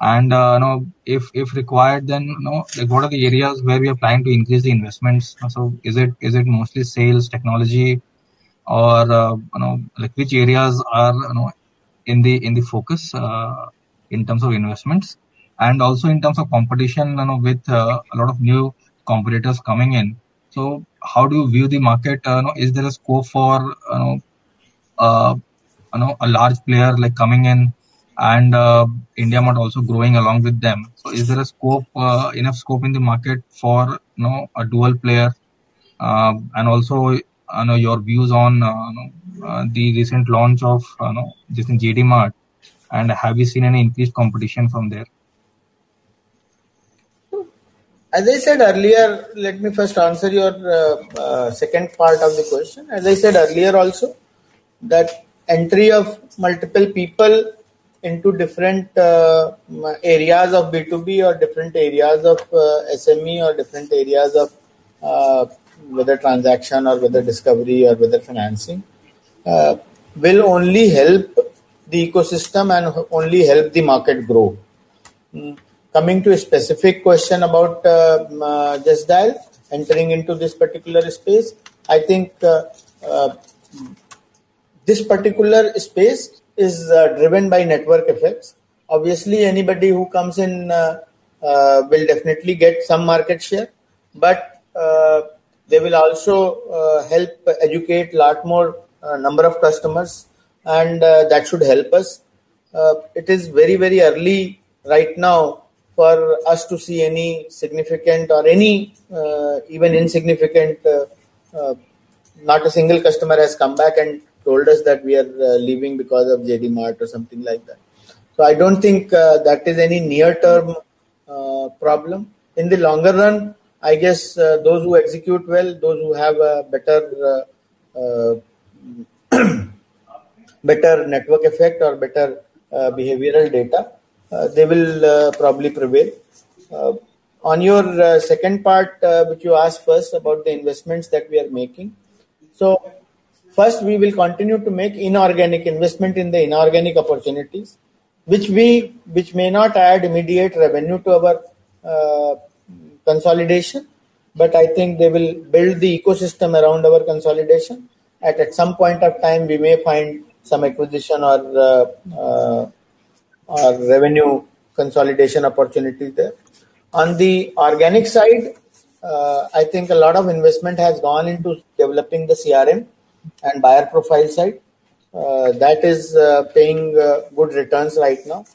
If required, then what are the areas where we are planning to increase the investments also? Is it mostly sales, technology or which areas are in the focus in terms of investments? Also in terms of competition with a lot of new competitors coming in. How do you view the market? Is there a scope for a large player coming in and IndiaMART also growing along with them? Is there enough scope in the market for a dual player? Also, your views on the recent launch of JD Mart, and have you seen any increased competition from there? As I said earlier, let me first answer your second part of the question. As I said earlier also, that entry of multiple people into different areas of B2B or different areas of SME or different areas of whether transaction or whether discovery or whether financing, will only help the ecosystem and only help the market grow. Coming to a specific question about Justdial entering into this particular space, I think this particular space is driven by network effects. Obviously, anybody who comes in will definitely get some market share, but they will also help educate lot more number of customers, and that should help us. It is very early right now for us to see any significant or any even insignificant. Not a single customer has come back and told us that we are leaving because of JD Mart or something like that. I don't think that is any near-term problem. In the longer run, I guess those who execute well, those who have a better network effect or better behavioral data they will probably prevail. On your second part, which you asked first about the investments that we are making. First, we will continue to make inorganic investment in the inorganic opportunities, which may not add immediate revenue to our consolidation, but I think they will build the ecosystem around our consolidation, and at some point of time, we may find some acquisition or revenue consolidation opportunity there. On the organic side, I think a lot of investment has gone into developing the CRM and buyer profile side. That is paying good returns right now.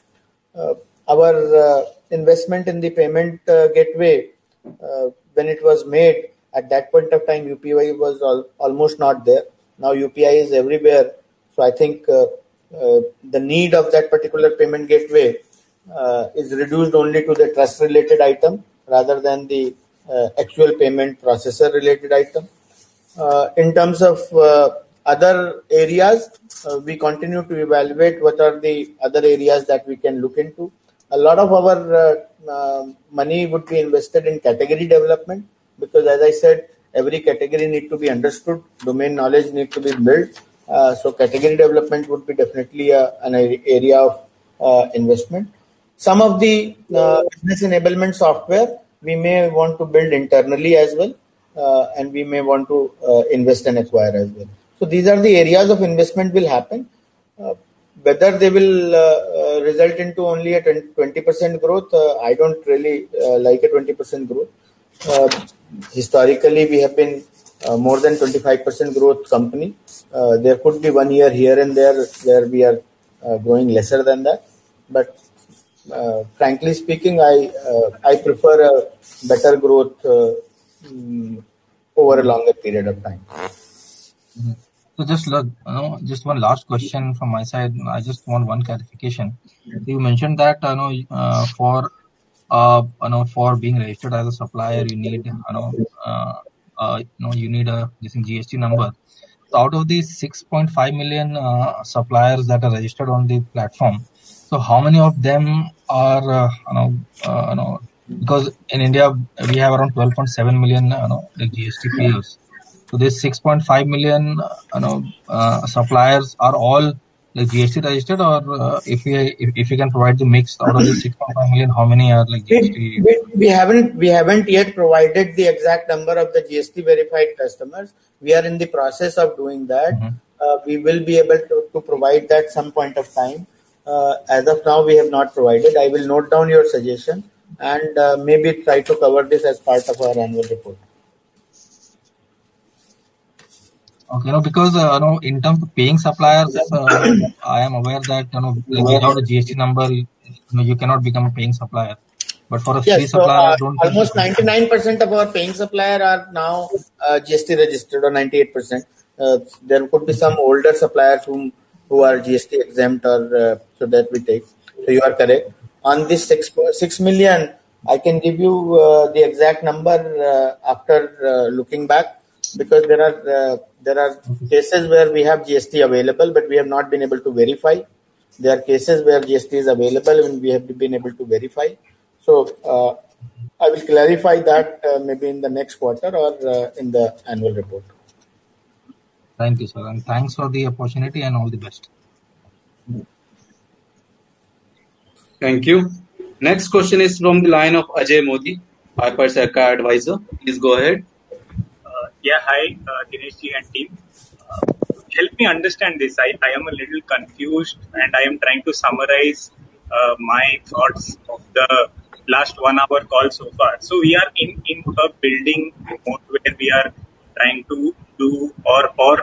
Our investment in the payment gateway, when it was made, at that point of time, UPI was almost not there. Now UPI is everywhere. I think the need of that particular payment gateway is reduced only to the trust-related item rather than the actual payment processor-related item. In terms of other areas, we continue to evaluate what are the other areas that we can look into. A lot of our money would be invested in category development, because as I said, every category need to be understood, domain knowledge need to be built. Category development would be definitely an area of investment. Some of the business enablement software we may want to build internally as well, and we may want to invest and acquire as well. These are the areas of investment will happen. Whether they will result into only a 20% growth, I don't really like a 20% growth. Historically, we have been more than 25% growth company. There could be one year here and there where we are growing lesser than that. Frankly speaking, I prefer a better growth over a longer period of time. Just one last question from my side. I just want one clarification. Yeah. You mentioned that for being registered as a supplier, you need a decent GST number. Out of these 6.5 million suppliers that are registered on the platform. In India, we have around 12.7 million GST payers. These 6.5 million suppliers are all GST registered? Or if you can provide the mix out of the 6.5 million, how many are GST? We haven't yet provided the exact number of the GST-verified customers. We are in the process of doing that. We will be able to provide that some point of time. As of now, we have not provided. I will note down your suggestion and maybe try to cover this as part of our annual report. Okay. In terms of paying suppliers, I am aware that without a GST number, you cannot become a paying supplier. For a free supplier. Yes. Almost 99% of our paying suppliers are now GST registered, or 98%. There could be some older suppliers who are GST exempt, so that we take. You are correct. On this 6 million, I can give you the exact number after looking back, because there are cases where we have GST available, but we have not been able to verify. There are cases where GST is available, and we have been able to verify. I will clarify that maybe in the next quarter or in the annual report. Thank you, sir. Thanks for the opportunity. All the best. Thank you. Thank you. Next question is from the line of Ajay Modi, Piper Serica Advisor. Please go ahead. Yeah. Hi, Dinesh and team. Help me understand this. I am a little confused, and I am trying to summarize my thoughts of the last one-hour call so far. We are in a building mode where we are trying to do or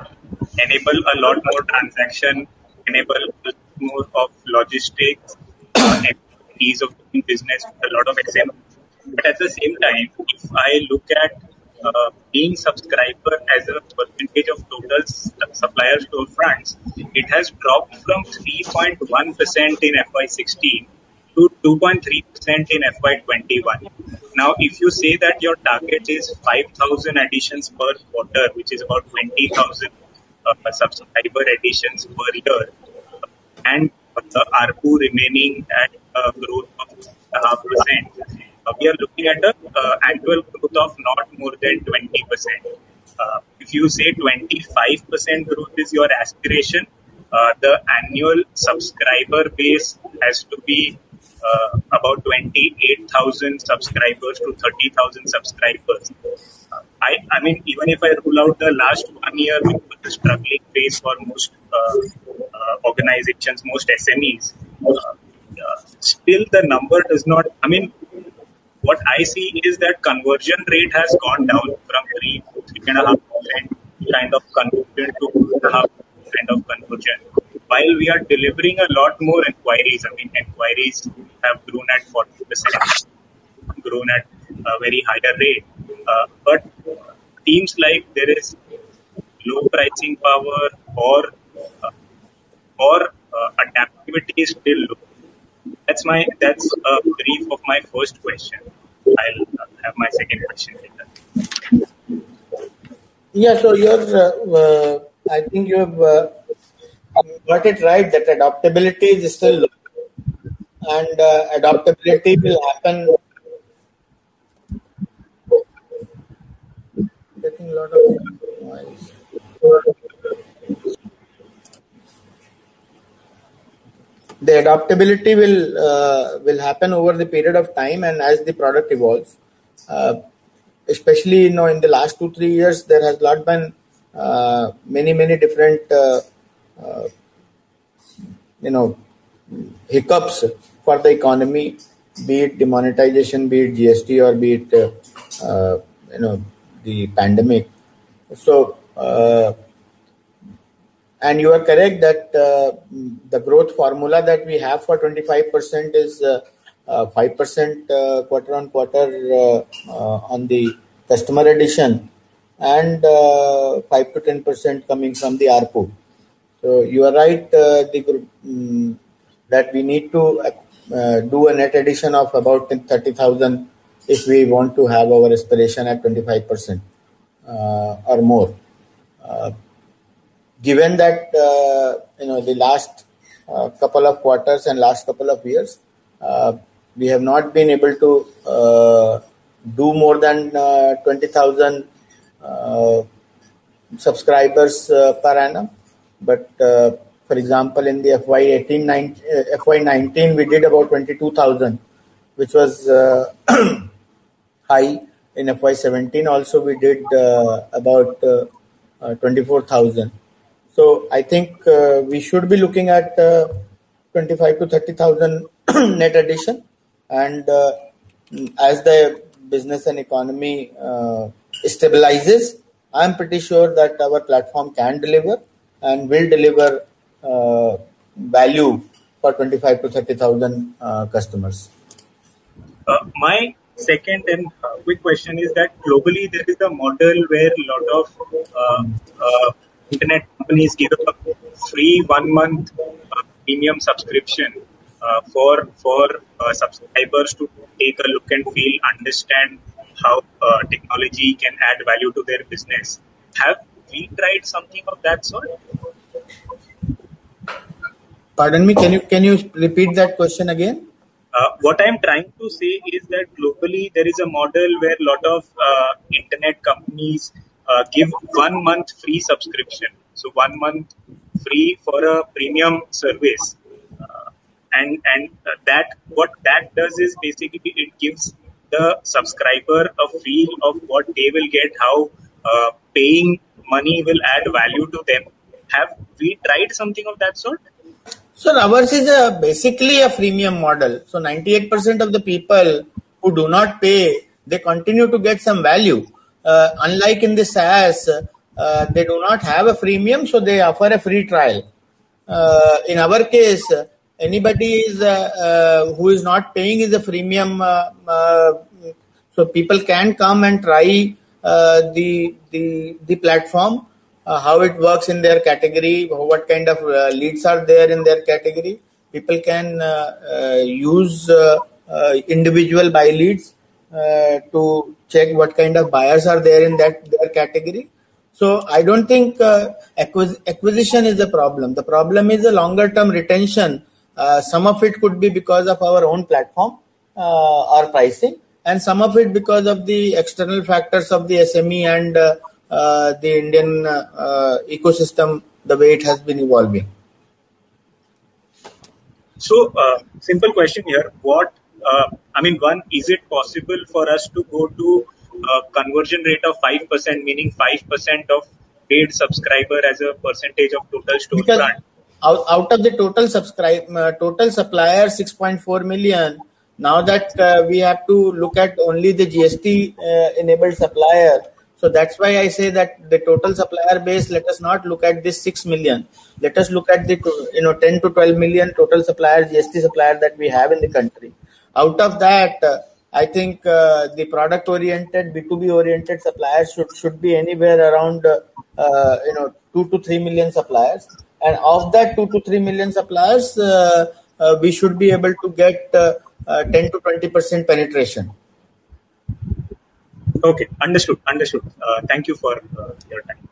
enable a lot more transaction, enable a lot more of logistics and ease of doing business with a lot of SMEs. At the same time, if I look at paying subscriber as a percentage of total suppliers to France, it has dropped from 3.1% in FY 2016 to 2.3% in FY 2021. If you say that your target is 5,000 additions per quarter, which is about 20,000 subscriber additions per year, and the ARPU remaining at a growth of 5.5%, we are looking at annual growth of not more than 20%. If you say 25% growth is your aspiration, the annual subscriber base has to be about 28,000 subscribers to 30,000 subscribers. Even if I rule out the last one year, which was a struggling phase for most organizations, most SMEs, what I see is that conversion rate has gone down from 3.5% kind of conversion to 2.5% kind of conversion, while we are delivering a lot more inquiries. Inquiries have grown at a very higher rate. Seems like there is low pricing power or adaptability is still low. That's a brief of my first question. I'll have my second question later. Yeah. I think you have got it right, that adaptability is still low, and adaptability will happen. The adaptability will happen over the period of time and as the product evolves. Especially, in the last two, three years, there has lot been many different hiccups for the economy, be it demonetization, be it GST, or be it the pandemic. You are correct that the growth formula that we have for 25% is 5% quarter on quarter on the customer addition, and 5%-10% coming from the ARPU. You are right, Deep, that we need to do a net addition of about 30,000 if we want to have our aspiration at 25% or more. Given that the last couple of quarters and last couple of years, we have not been able to do more than 20,000 subscribers per annum. For example, in the FY 2019, we did about 22,000, which was high. In FY 2017 also, we did about 24,000. I think we should be looking at 25,000-30,000 net addition. As the business and economy stabilizes, I'm pretty sure that our platform can deliver and will deliver value for 25,000-30,000 customers. My second and quick question is that globally, there is a model where a lot of internet companies give a free one-month premium subscription for subscribers to take a look and feel, understand how technology can add value to their business. Have we tried something of that sort? Pardon me. Can you repeat that question again? What I'm trying to say is that globally, there is a model where lot of internet companies give one month free subscription. One month free for a premium service. What that does is basically it gives the subscriber a feel of what they will get, how paying money will add value to them. Have we tried something of that sort? Sir, ours is basically a freemium model. 98% of the people who do not pay, they continue to get some value. Unlike in the SaaS, they do not have a freemium. They offer a free trial. In our case, anybody who is not paying is a freemium. People can come and try the platform, how it works in their category, what kind of leads are there in their category. People can use individual buy leads to check what kind of buyers are there in their category. I don't think acquisition is a problem. The problem is the longer-term retention. Some of it could be because of our own platform or pricing, and some of it because of the external factors of the SME and the Indian ecosystem, the way it has been evolving. Simple question here. One, is it possible for us to go to a conversion rate of 5%, meaning 5% of paid subscriber as a percentage of total store plan? Out of the total supplier, 6.4 million, we have to look at only the GST-enabled supplier. That's why I say that the total supplier base, let us not look at this 6 million. Let us look at the 10-12 million total supplier, GST supplier that we have in the country. Out of that, I think the product-oriented, B2B-oriented suppliers should be anywhere around 2-3 million suppliers. Of that 2-3 million suppliers, we should be able to get 10%-20% penetration. Okay. Understood. Thank you for your time.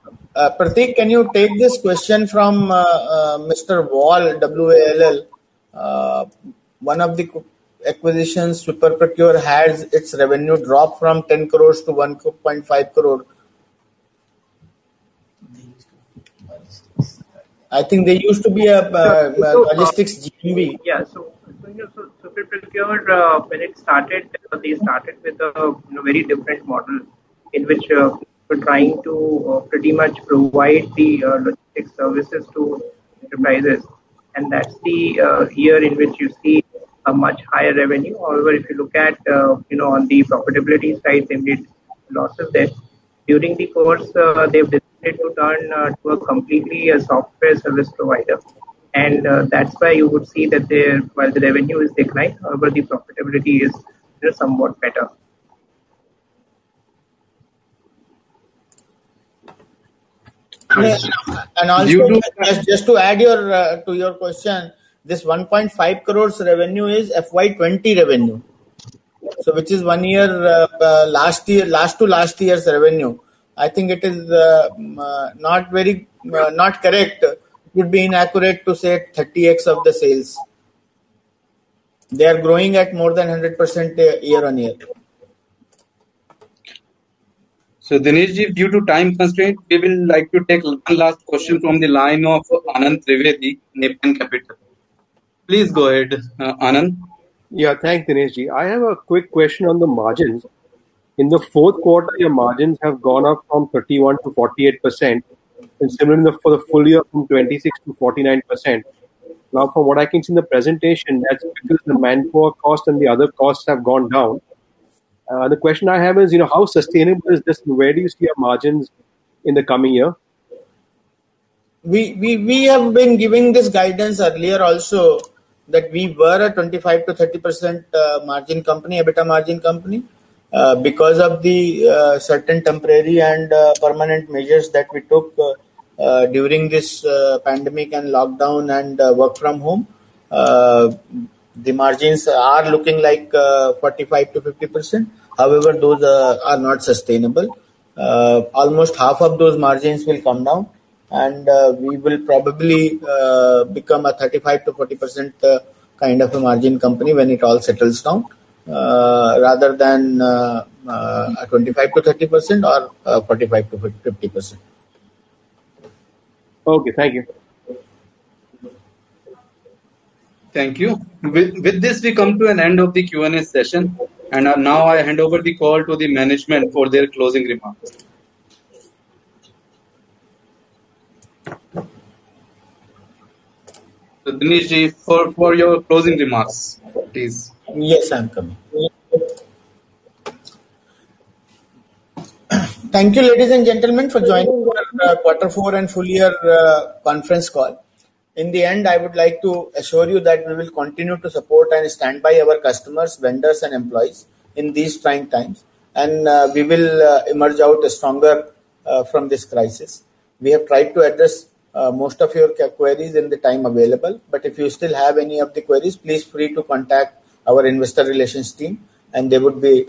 Prateek, can you take this question from Mr. Wall, W-A-L-L? One of the acquisitions, SuperProcure, has its revenue drop from 10 crore to 1.5 crore. I think they used to be a logistics GP. SuperProcure, when it started, they started with a very different model in which we're trying to pretty much provide the logistics services to enterprises, and that's the year in which you see a much higher revenue. However, if you look on the profitability side, they made losses there. During the course, they've decided to turn to a completely software service provider. That's why you would see that while the revenue is declined, however, the profitability is somewhat better. Also, just to add to your question, this 1.5 crores revenue is FY 2020 revenue. Which is one year, last to last year's revenue. I think it is not correct. It would be inaccurate to say 30x of the sales. They are growing at more than 100% year-on-year. Dinesh, due to time constraint, we will like to take one last question from the line of Anand Trivedi, Nepean Capital. Please go ahead, Anand. Thanks, Dinesh. I have a quick question on the margins. In the fourth quarter, your margins have gone up from 31%-48%, and similarly for the full year from 26%-49%. From what I can see in the presentation, that's because the manpower cost and the other costs have gone down. The question I have is, how sustainable is this? Where do you see your margins in the coming year? We have been giving this guidance earlier also, that we were a 25%-30% margin company, EBITDA margin company. Of the certain temporary and permanent measures that we took during this pandemic and lockdown and work from home, the margins are looking like 45%-50%. Those are not sustainable. Almost half of those margins will come down, and we will probably become a 35%-40% kind of a margin company when it all settles down, rather than a 25%-30% or 45%-50%. Okay. Thank you. Thank you. With this, we come to an end of the Q&A session. Now I hand over the call to the management for their closing remarks. Dinesh, for your closing remarks, please. Yes, I'm coming. Thank you, ladies and gentlemen, for joining our quarter four and full year conference call. In the end, I would like to assure you that we will continue to support and stand by our customers, vendors, and employees in these trying times, and we will emerge out stronger from this crisis. We have tried to address most of your queries in the time available, but if you still have any of the queries, please feel free to contact our investor relations team, and they would be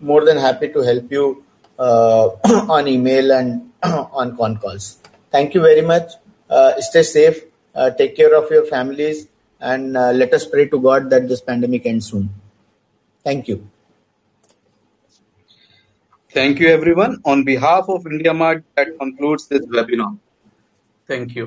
more than happy to help you on email and on con calls. Thank you very much. Stay safe. Take care of your families and let us pray to God that this pandemic ends soon. Thank you. Thank you, everyone. On behalf of IndiaMART, that concludes this webinar. Thank you.